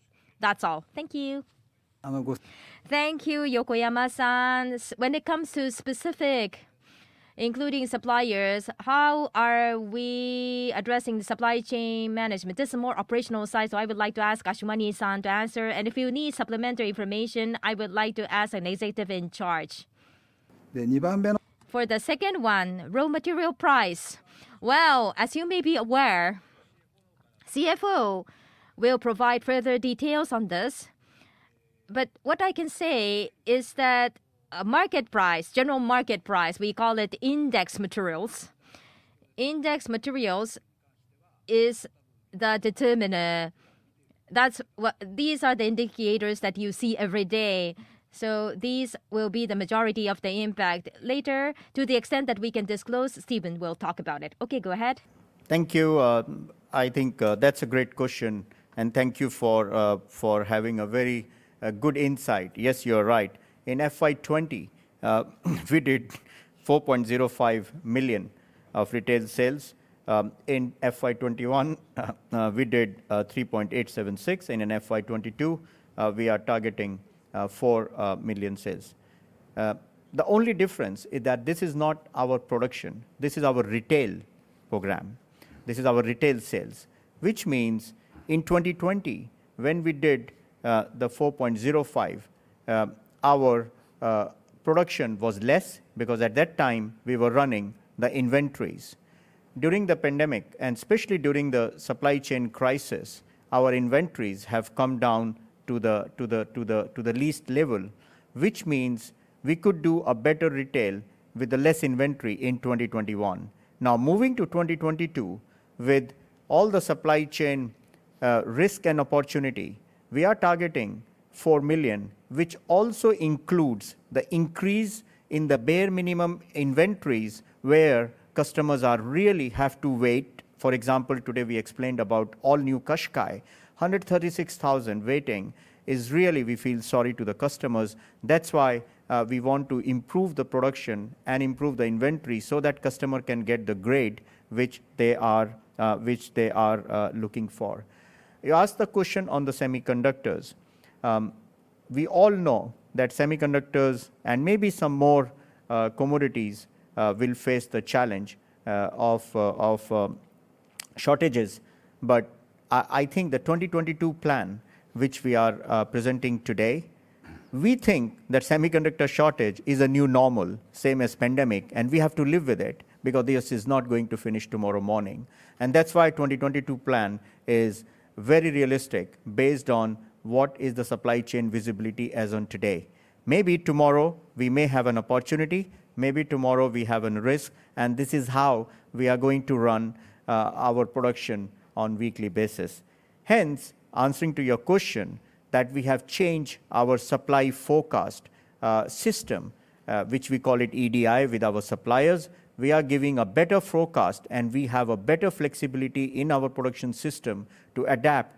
Speaker 2: That's all. Thank you. Thank you, Yokoyama-san. When it comes to specific, including suppliers, how are we addressing the supply chain management? This is more operational side, so I would like to ask Ashwani-san to answer. If you need supplementary information, I would like to ask an executive in charge. For the second one, raw material price. Well, as you may be aware, CFO will provide further details on this. What I can say is that a market price, general market price, we call it index materials. Index materials is the determiner. These are the indicators that you see every day. These will be the majority of the impact. Later, to the extent that we can disclose, Stephen will talk about it. Okay, go ahead.
Speaker 3: Thank you. I think that's a great question. Thank you for having a very good insight. Yes, you are right. In FY20, we did 4.05 million of retail sales. In FY21, we did 3.876. In FY22, we are targeting 4 million sales. The only difference is that this is not our production. This is our retail program. This is our retail sales. Which means in 2020, when we did the 4.05, our production was less because at that time we were running the inventories. During the pandemic, and especially during the supply chain crisis, our inventories have come down to the least level, which means we could do a better retail with less inventory in 2021. Now, moving to 2022, with all the supply chain risk and opportunity, we are targeting 4 million, which also includes the increase in the bare minimum inventories where customers are really have to wait. For example, today we explained about all new Qashqai. 136,000 waiting is really we feel sorry to the customers. That's why we want to improve the production and improve the inventory so that customer can get the grade which they are looking for. You asked the question on the semiconductors. We all know that semiconductors and maybe some more commodities will face the challenge of shortages. I think the 2022 plan, which we are presenting today, we think that semiconductor shortage is a new normal, same as pandemic, and we have to live with it because this is not going to finish tomorrow morning. That's why 2022 plan is very realistic based on what is the supply chain visibility as on today. Maybe tomorrow we may have an opportunity. Maybe tomorrow we have a risk. This is how we are going to run our production on weekly basis. Hence, answering to your question that we have changed our supply forecast system, which we call it EDI with our suppliers. We are giving a better forecast, and we have a better flexibility in our production system to adapt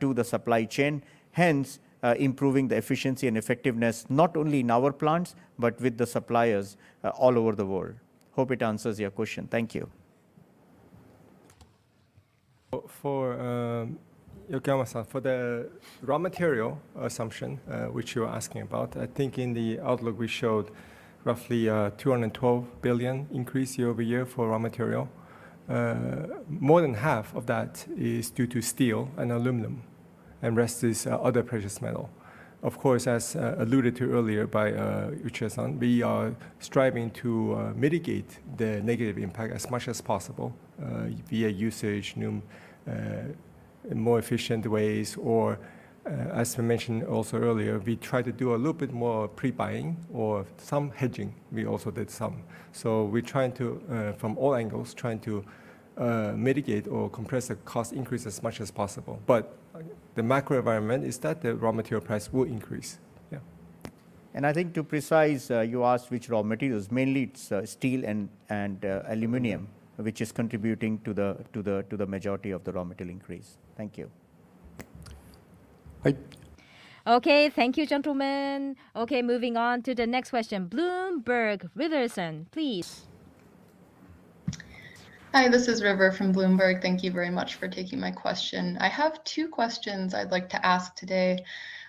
Speaker 3: to the supply chain, hence, improving the efficiency and effectiveness not only in our plants, but with the suppliers all over the world. Hope it answers your question. Thank you.
Speaker 4: For Yokoyama-san, for the raw material assumption, which you're asking about, I think in the outlook we showed roughly 212 billion increase year-over-year for raw material. More than half of that is due to steel and aluminum, and rest is other precious metal. Of course, as alluded to earlier by Uchida-san, we are striving to mitigate the negative impact as much as possible via usage, new more efficient ways, or as we mentioned also earlier, we try to do a little bit more pre-buying or some hedging. We also did some. We're trying to from all angles mitigate or compress the cost increase as much as possible. The macro environment is that the raw material price will increase.
Speaker 3: I think to be precise, you asked which raw materials. Mainly it's steel and aluminum, which is contributing to the majority of the raw material increase. Thank you.
Speaker 2: Okay. Thank you, gentlemen. Okay, moving on to the next question. Bloomberg, River Davis, please.
Speaker 6: Hi, this is River from Bloomberg. Thank you very much for taking my question. I have two questions I'd like to ask today.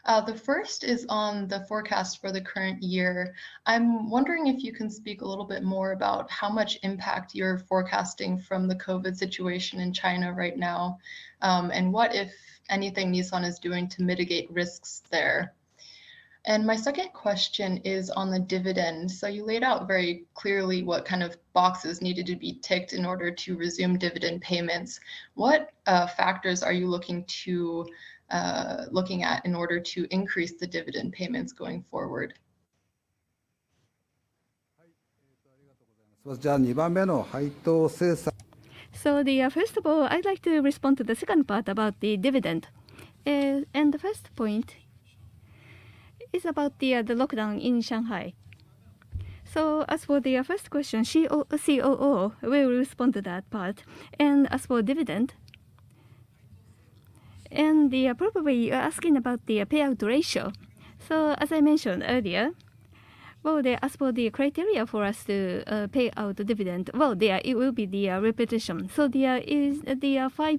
Speaker 6: The first is on the forecast for the current year. I'm wondering if you can speak a little bit more about how much impact you're forecasting from the COVID situation in China right now, and what, if anything, Nissan is doing to mitigate risks there. My second question is on the dividends. You laid out very clearly what kind of boxes needed to be ticked in order to resume dividend payments. What factors are you looking at in order to increase the dividend payments going forward?
Speaker 2: First of all, I'd like to respond to the second part about the dividend. The first point is about the lockdown in Shanghai. As for the first question, COO will respond to that part. As for dividend, probably you are asking about the payout ratio. As I mentioned earlier, well, as for the criteria for us to pay out dividend, well, yeah, it will be the retention. The retention is the 5,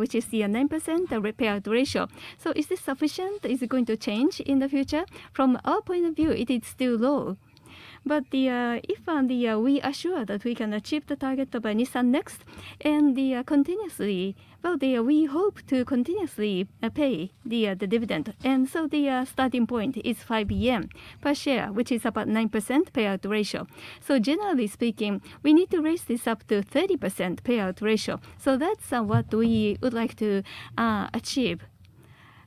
Speaker 2: which is the 9% payout ratio. Is this sufficient? Is it going to change in the future? From our point of view, it is still low. We are sure that we can achieve the target of Nissan NEXT and we hope to continuously pay the dividend. The starting point is 5 yen per share, which is about 9% payout ratio. Generally speaking, we need to raise this up to 30% payout ratio. That's what we would like to achieve.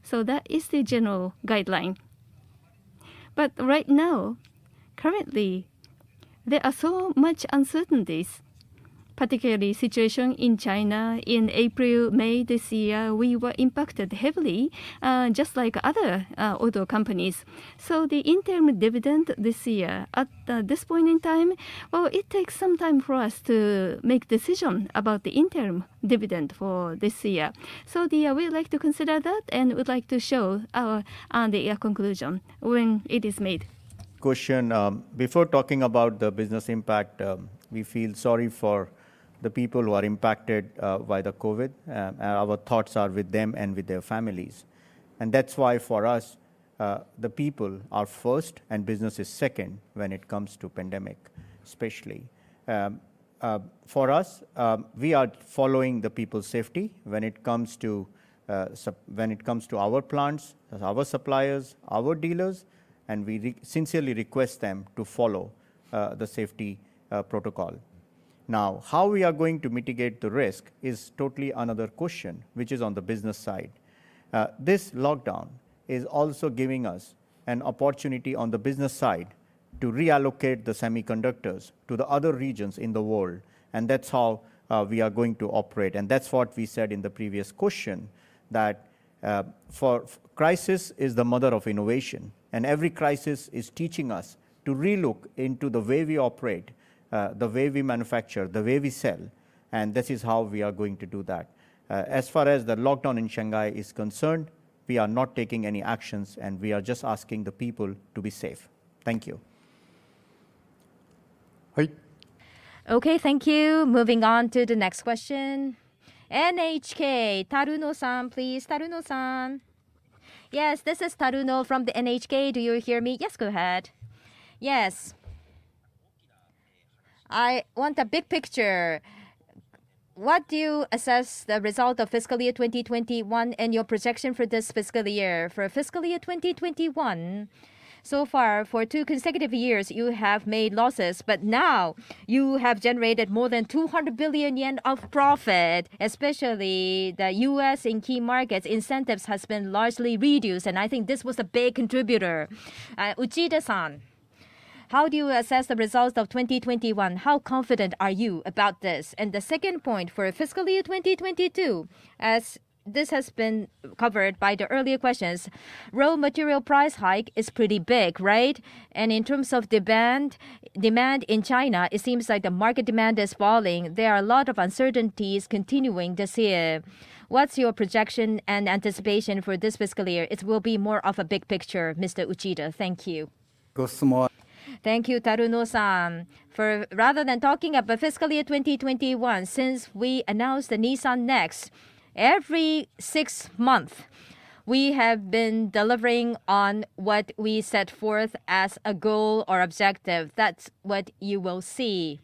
Speaker 2: That is the general guideline. Right now, currently, there are so much uncertainties, particularly situation in China. In April, May this year, we were impacted heavily, just like other auto companies. The interim dividend this year, at this point in time, it takes some time for us to make decision about the interim dividend for this year. We'd like to consider that and would like to show our conclusion when it is made.
Speaker 3: Before talking about the business impact, we feel sorry for the people who are impacted by the COVID. Our thoughts are with them and with their families. That's why for us, the people are first and business is second when it comes to pandemic, especially. For us, we are following the people's safety when it comes to our plants, our suppliers, our dealers, and we sincerely request them to follow the safety protocol. Now, how we are going to mitigate the risk is totally another question, which is on the business side. This lockdown is also giving us an opportunity on the business side to reallocate the semiconductors to the other regions in the world, and that's how we are going to operate. That's what we said in the previous question, that crisis is the mother of innovation. Every crisis is teaching us to re-look into the way we operate, the way we manufacture, the way we sell, and this is how we are going to do that. As far as the lockdown in Shanghai is concerned, we are not taking any actions, and we are just asking the people to be safe. Thank you. Okay, thank you. Moving on to the next question. NHK, Taruno-san, please. Taruno-san. Yes, this is Taruno from the NHK. Do you hear me? Yes, go ahead. Yes. I want a big picture. What do you assess the result of fiscal year 2021 and your projection for this fiscal year? For fiscal year 2021, so far, for two consecutive years, you have made losses. Now, you have generated more than 200 billion yen of profit, especially the U.S. and key markets, incentives has been largely reduced, and I think this was a big contributor. Uchida-san, how do you assess the results of 2021? How confident are you about this? The second point, for fiscal year 2022, as this has been covered by the earlier questions, raw material price hike is pretty big, right?
Speaker 2: In terms of demand in China, it seems like the market demand is falling. There are a lot of uncertainties continuing this year. What's your projection and anticipation for this fiscal year? It will be more of a big picture, Mr. Uchida. Thank you. Thank you, Taruno-san. For, rather than talking about fiscal year 2021, since we announced the Nissan NEXT, every six month, we have been delivering on what we set forth as a goal or objective. That's what you will see.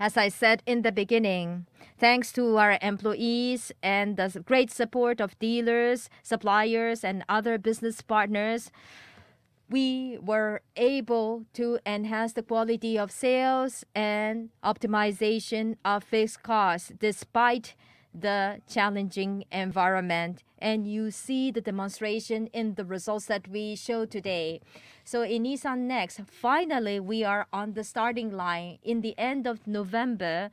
Speaker 2: As I said in the beginning, thanks to our employees and the great support of dealers, suppliers, and other business partners, we were able to enhance the quality of sales and optimization of fixed costs, despite the challenging environment. You see the demonstration in the results that we show today. In Nissan NEXT, finally, we are on the starting line. In the end of November,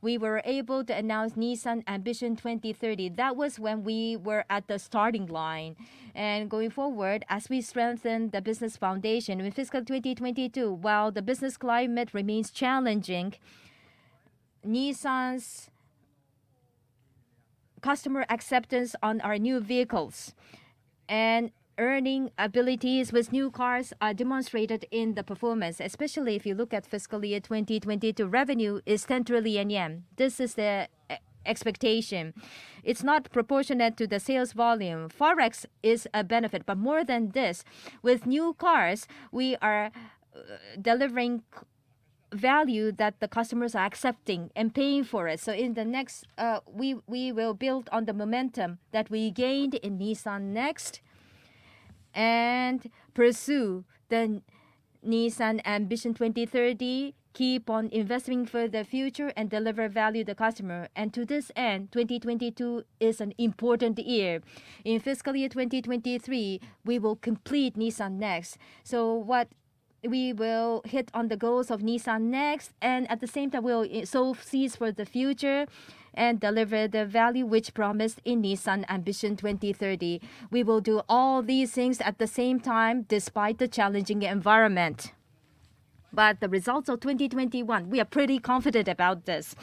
Speaker 2: we were able to announce Nissan Ambition 2030. That was when we were at the starting line. Going forward, as we strengthen the business foundation, with fiscal 2022, while the business climate remains challenging, Nissan's customer acceptance on our new vehicles and earning abilities with new cars are demonstrated in the performance, especially if you look at fiscal year 2022, revenue is 10 trillion yen. This is the expectation. It's not proportionate to the sales volume. Forex is a benefit. But more than this, with new cars, we are delivering value that the customers are accepting and paying for it. In the next, we will build on the momentum that we gained in Nissan Next and pursue the Nissan Ambition 2030, keep on investing for the future, and deliver value to customer. To this end, 2022 is an important year. In fiscal year 2023, we will complete Nissan NEXT. We will hit on the goals of Nissan NEXT, and at the same time we'll sow seeds for the future and deliver the value which promised in Nissan Ambition 2030. We will do all these things at the same time, despite the challenging environment. The results of 2021. We are pretty confident about this.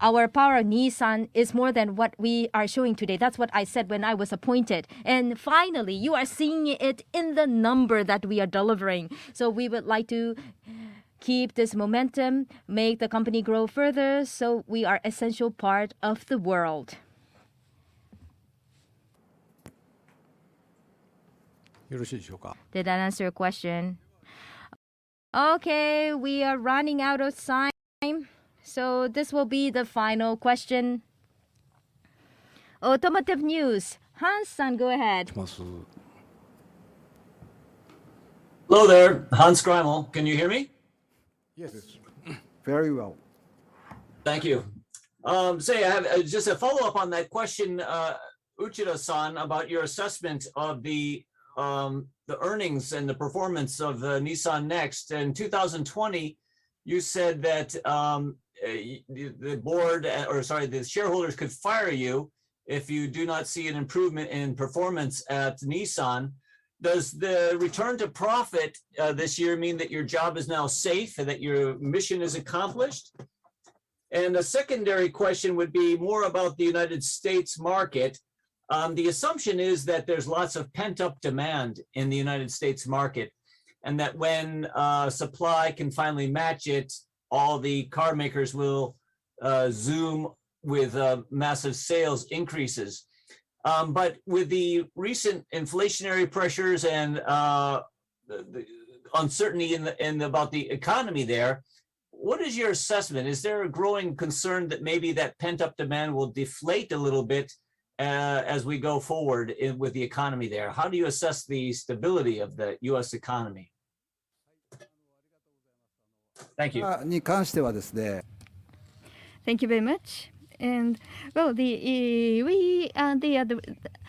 Speaker 2: Our power of Nissan is more than what we are showing today. That's what I said when I was appointed, and finally you are seeing it in the number that we are delivering. We would like to keep this momentum, make the company grow further so we are essential part of the world. Did that answer your question? Okay, we are running out of time, so this will be the final question. Automotive News, Hans Greimel, go ahead.
Speaker 7: Hello there. Hans Greimel. Can you hear me? Yes. Very well. Thank you. So I have just a follow-up on that question, Uchida-san, about your assessment of the earnings and the performance of Nissan NEXT. In 2020, you said that the board, or sorry, the shareholders could fire you if you do not see an improvement in performance at Nissan. Does the return to profit this year mean that your job is now safe and that your mission is accomplished? The secondary question would be more about the United States market. The assumption is that there's lots of pent-up demand in the United States market, and that when supply can finally match it, all the car makers will zoom with massive sales increases. With the recent inflationary pressures and the uncertainty about the economy there, what is your assessment? Is there a growing concern that maybe that pent-up demand will deflate a little bit as we go forward with the economy there? How do you assess the stability of the U.S. economy? Thank you.
Speaker 2: Thank you very much. The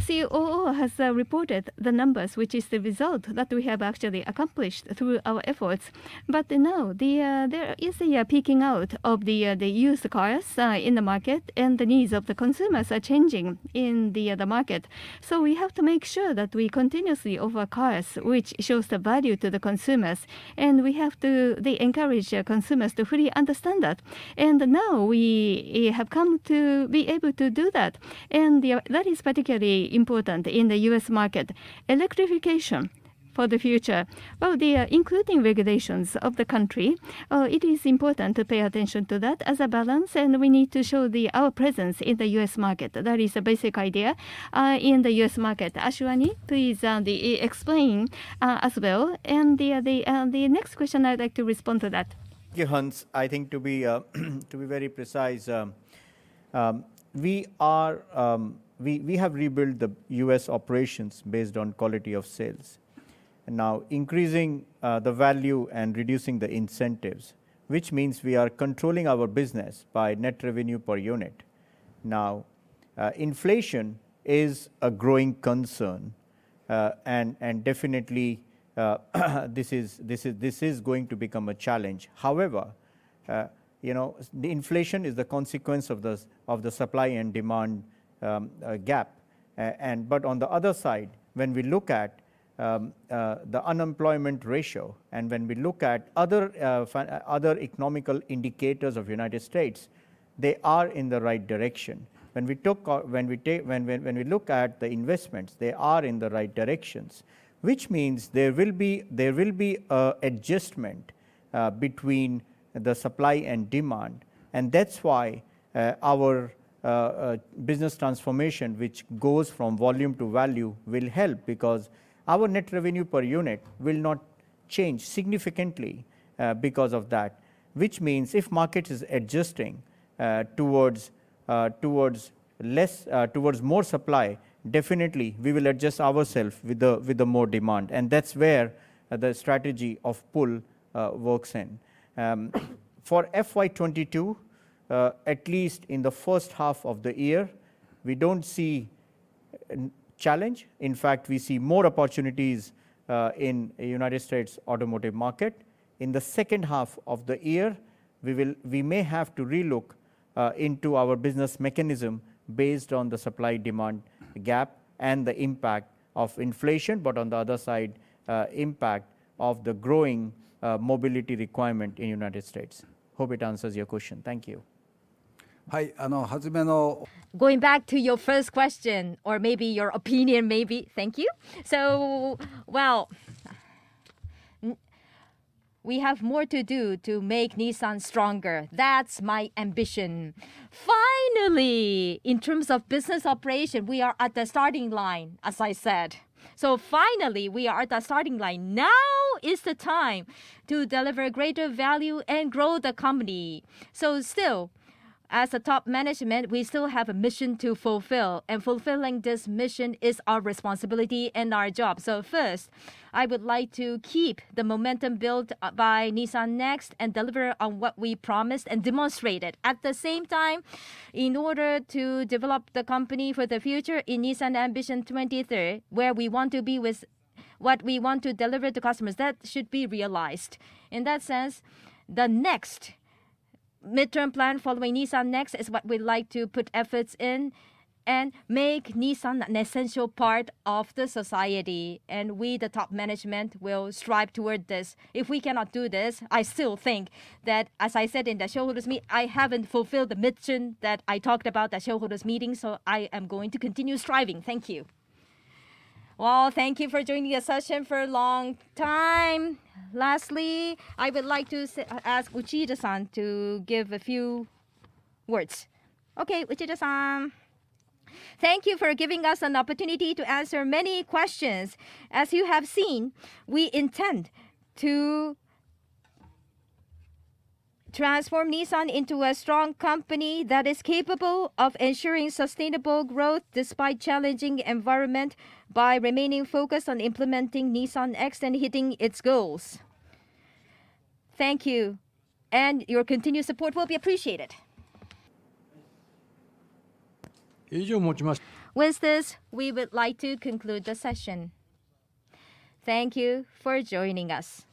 Speaker 2: COO has reported the numbers, which is the result that we have actually accomplished through our efforts. There is a peaking out of the used cars in the market, and the needs of the consumers are changing in the market. We have to make sure that we continuously offer cars which shows the value to the consumers, and we have to encourage the consumers to fully understand that. Now we have come to be able to do that. That is particularly important in the U.S. market. Electrification for the future. Well, including regulations of the country, it is important to pay attention to that as a balance, and we need to show our presence in the U.S. market. That is the basic idea in the U.S. market. Ashwani, please explain as well. The next question, I'd like to respond to that.
Speaker 3: Yeah, Hans, I think to be very precise, we have rebuilt the U.S. operations based on quality of sales. Now, increasing the value and reducing the incentives, which means we are controlling our business by net revenue per unit. Now, inflation is a growing concern. Definitely, this is going to become a challenge. However the inflation is the consequence of the supply and demand gap. On the other side, when we look at the unemployment ratio and when we look at other economic indicators of United States, they are in the right direction. When we look at the investments, they are in the right directions. Which means there will be an adjustment between the supply and demand. That's why our business transformation, which goes from volume to value, will help because our net revenue per unit will not change significantly because of that. Which means if market is adjusting towards more supply, definitely we will adjust ourself with the more demand. That's where the strategy of pull works in. For FY 2022, at least in the first half of the year, we don't see a challenge. In fact, we see more opportunities in United States automotive market. In the second half of the year, we may have to relook into our business mechanism based on the supply-demand gap and the impact of inflation. On the other side, impact of the growing mobility requirement in United States. Hope it answers your question. Thank you.
Speaker 2: Going back to your first question, or maybe your opinion maybe. Thank you. Well, we have more to do to make Nissan stronger. That's my ambition. Finally, in terms of business operation, we are at the starting line, as I said. Finally, we are at the starting line. Now is the time to deliver greater value and grow the company. Still, as the top management, we still have a mission to fulfill, and fulfilling this mission is our responsibility and our job. First, I would like to keep the momentum built by Nissan NEXT and deliver on what we promised and demonstrate it. At the same time, in order to develop the company for the future in Nissan Ambition 2030, where we want to be with what we want to deliver to customers, that should be realized. In that sense, the next midterm plan following Nissan Next is what we'd like to put efforts in and make Nissan an essential part of the society. We, the top management, will strive toward this. If we cannot do this, I still think that, as I said in the shareholders' meeting, I haven't fulfilled the mission that I talked about at shareholders' meeting, so I am going to continue striving. Thank you. Well, thank you for joining the session for a long time. Lastly, I would like to ask Uchida-san to give a few words. Okay, Uchida-san. Thank you for giving us an opportunity to answer many questions. As you have seen, we intend to transform Nissan into a strong company that is capable of ensuring sustainable growth despite challenging environment by remaining focused on implementing Nissan Next and hitting its goals. Thank you, and your continued support will be appreciated. With this, we would like to conclude the session. Thank you for joining us.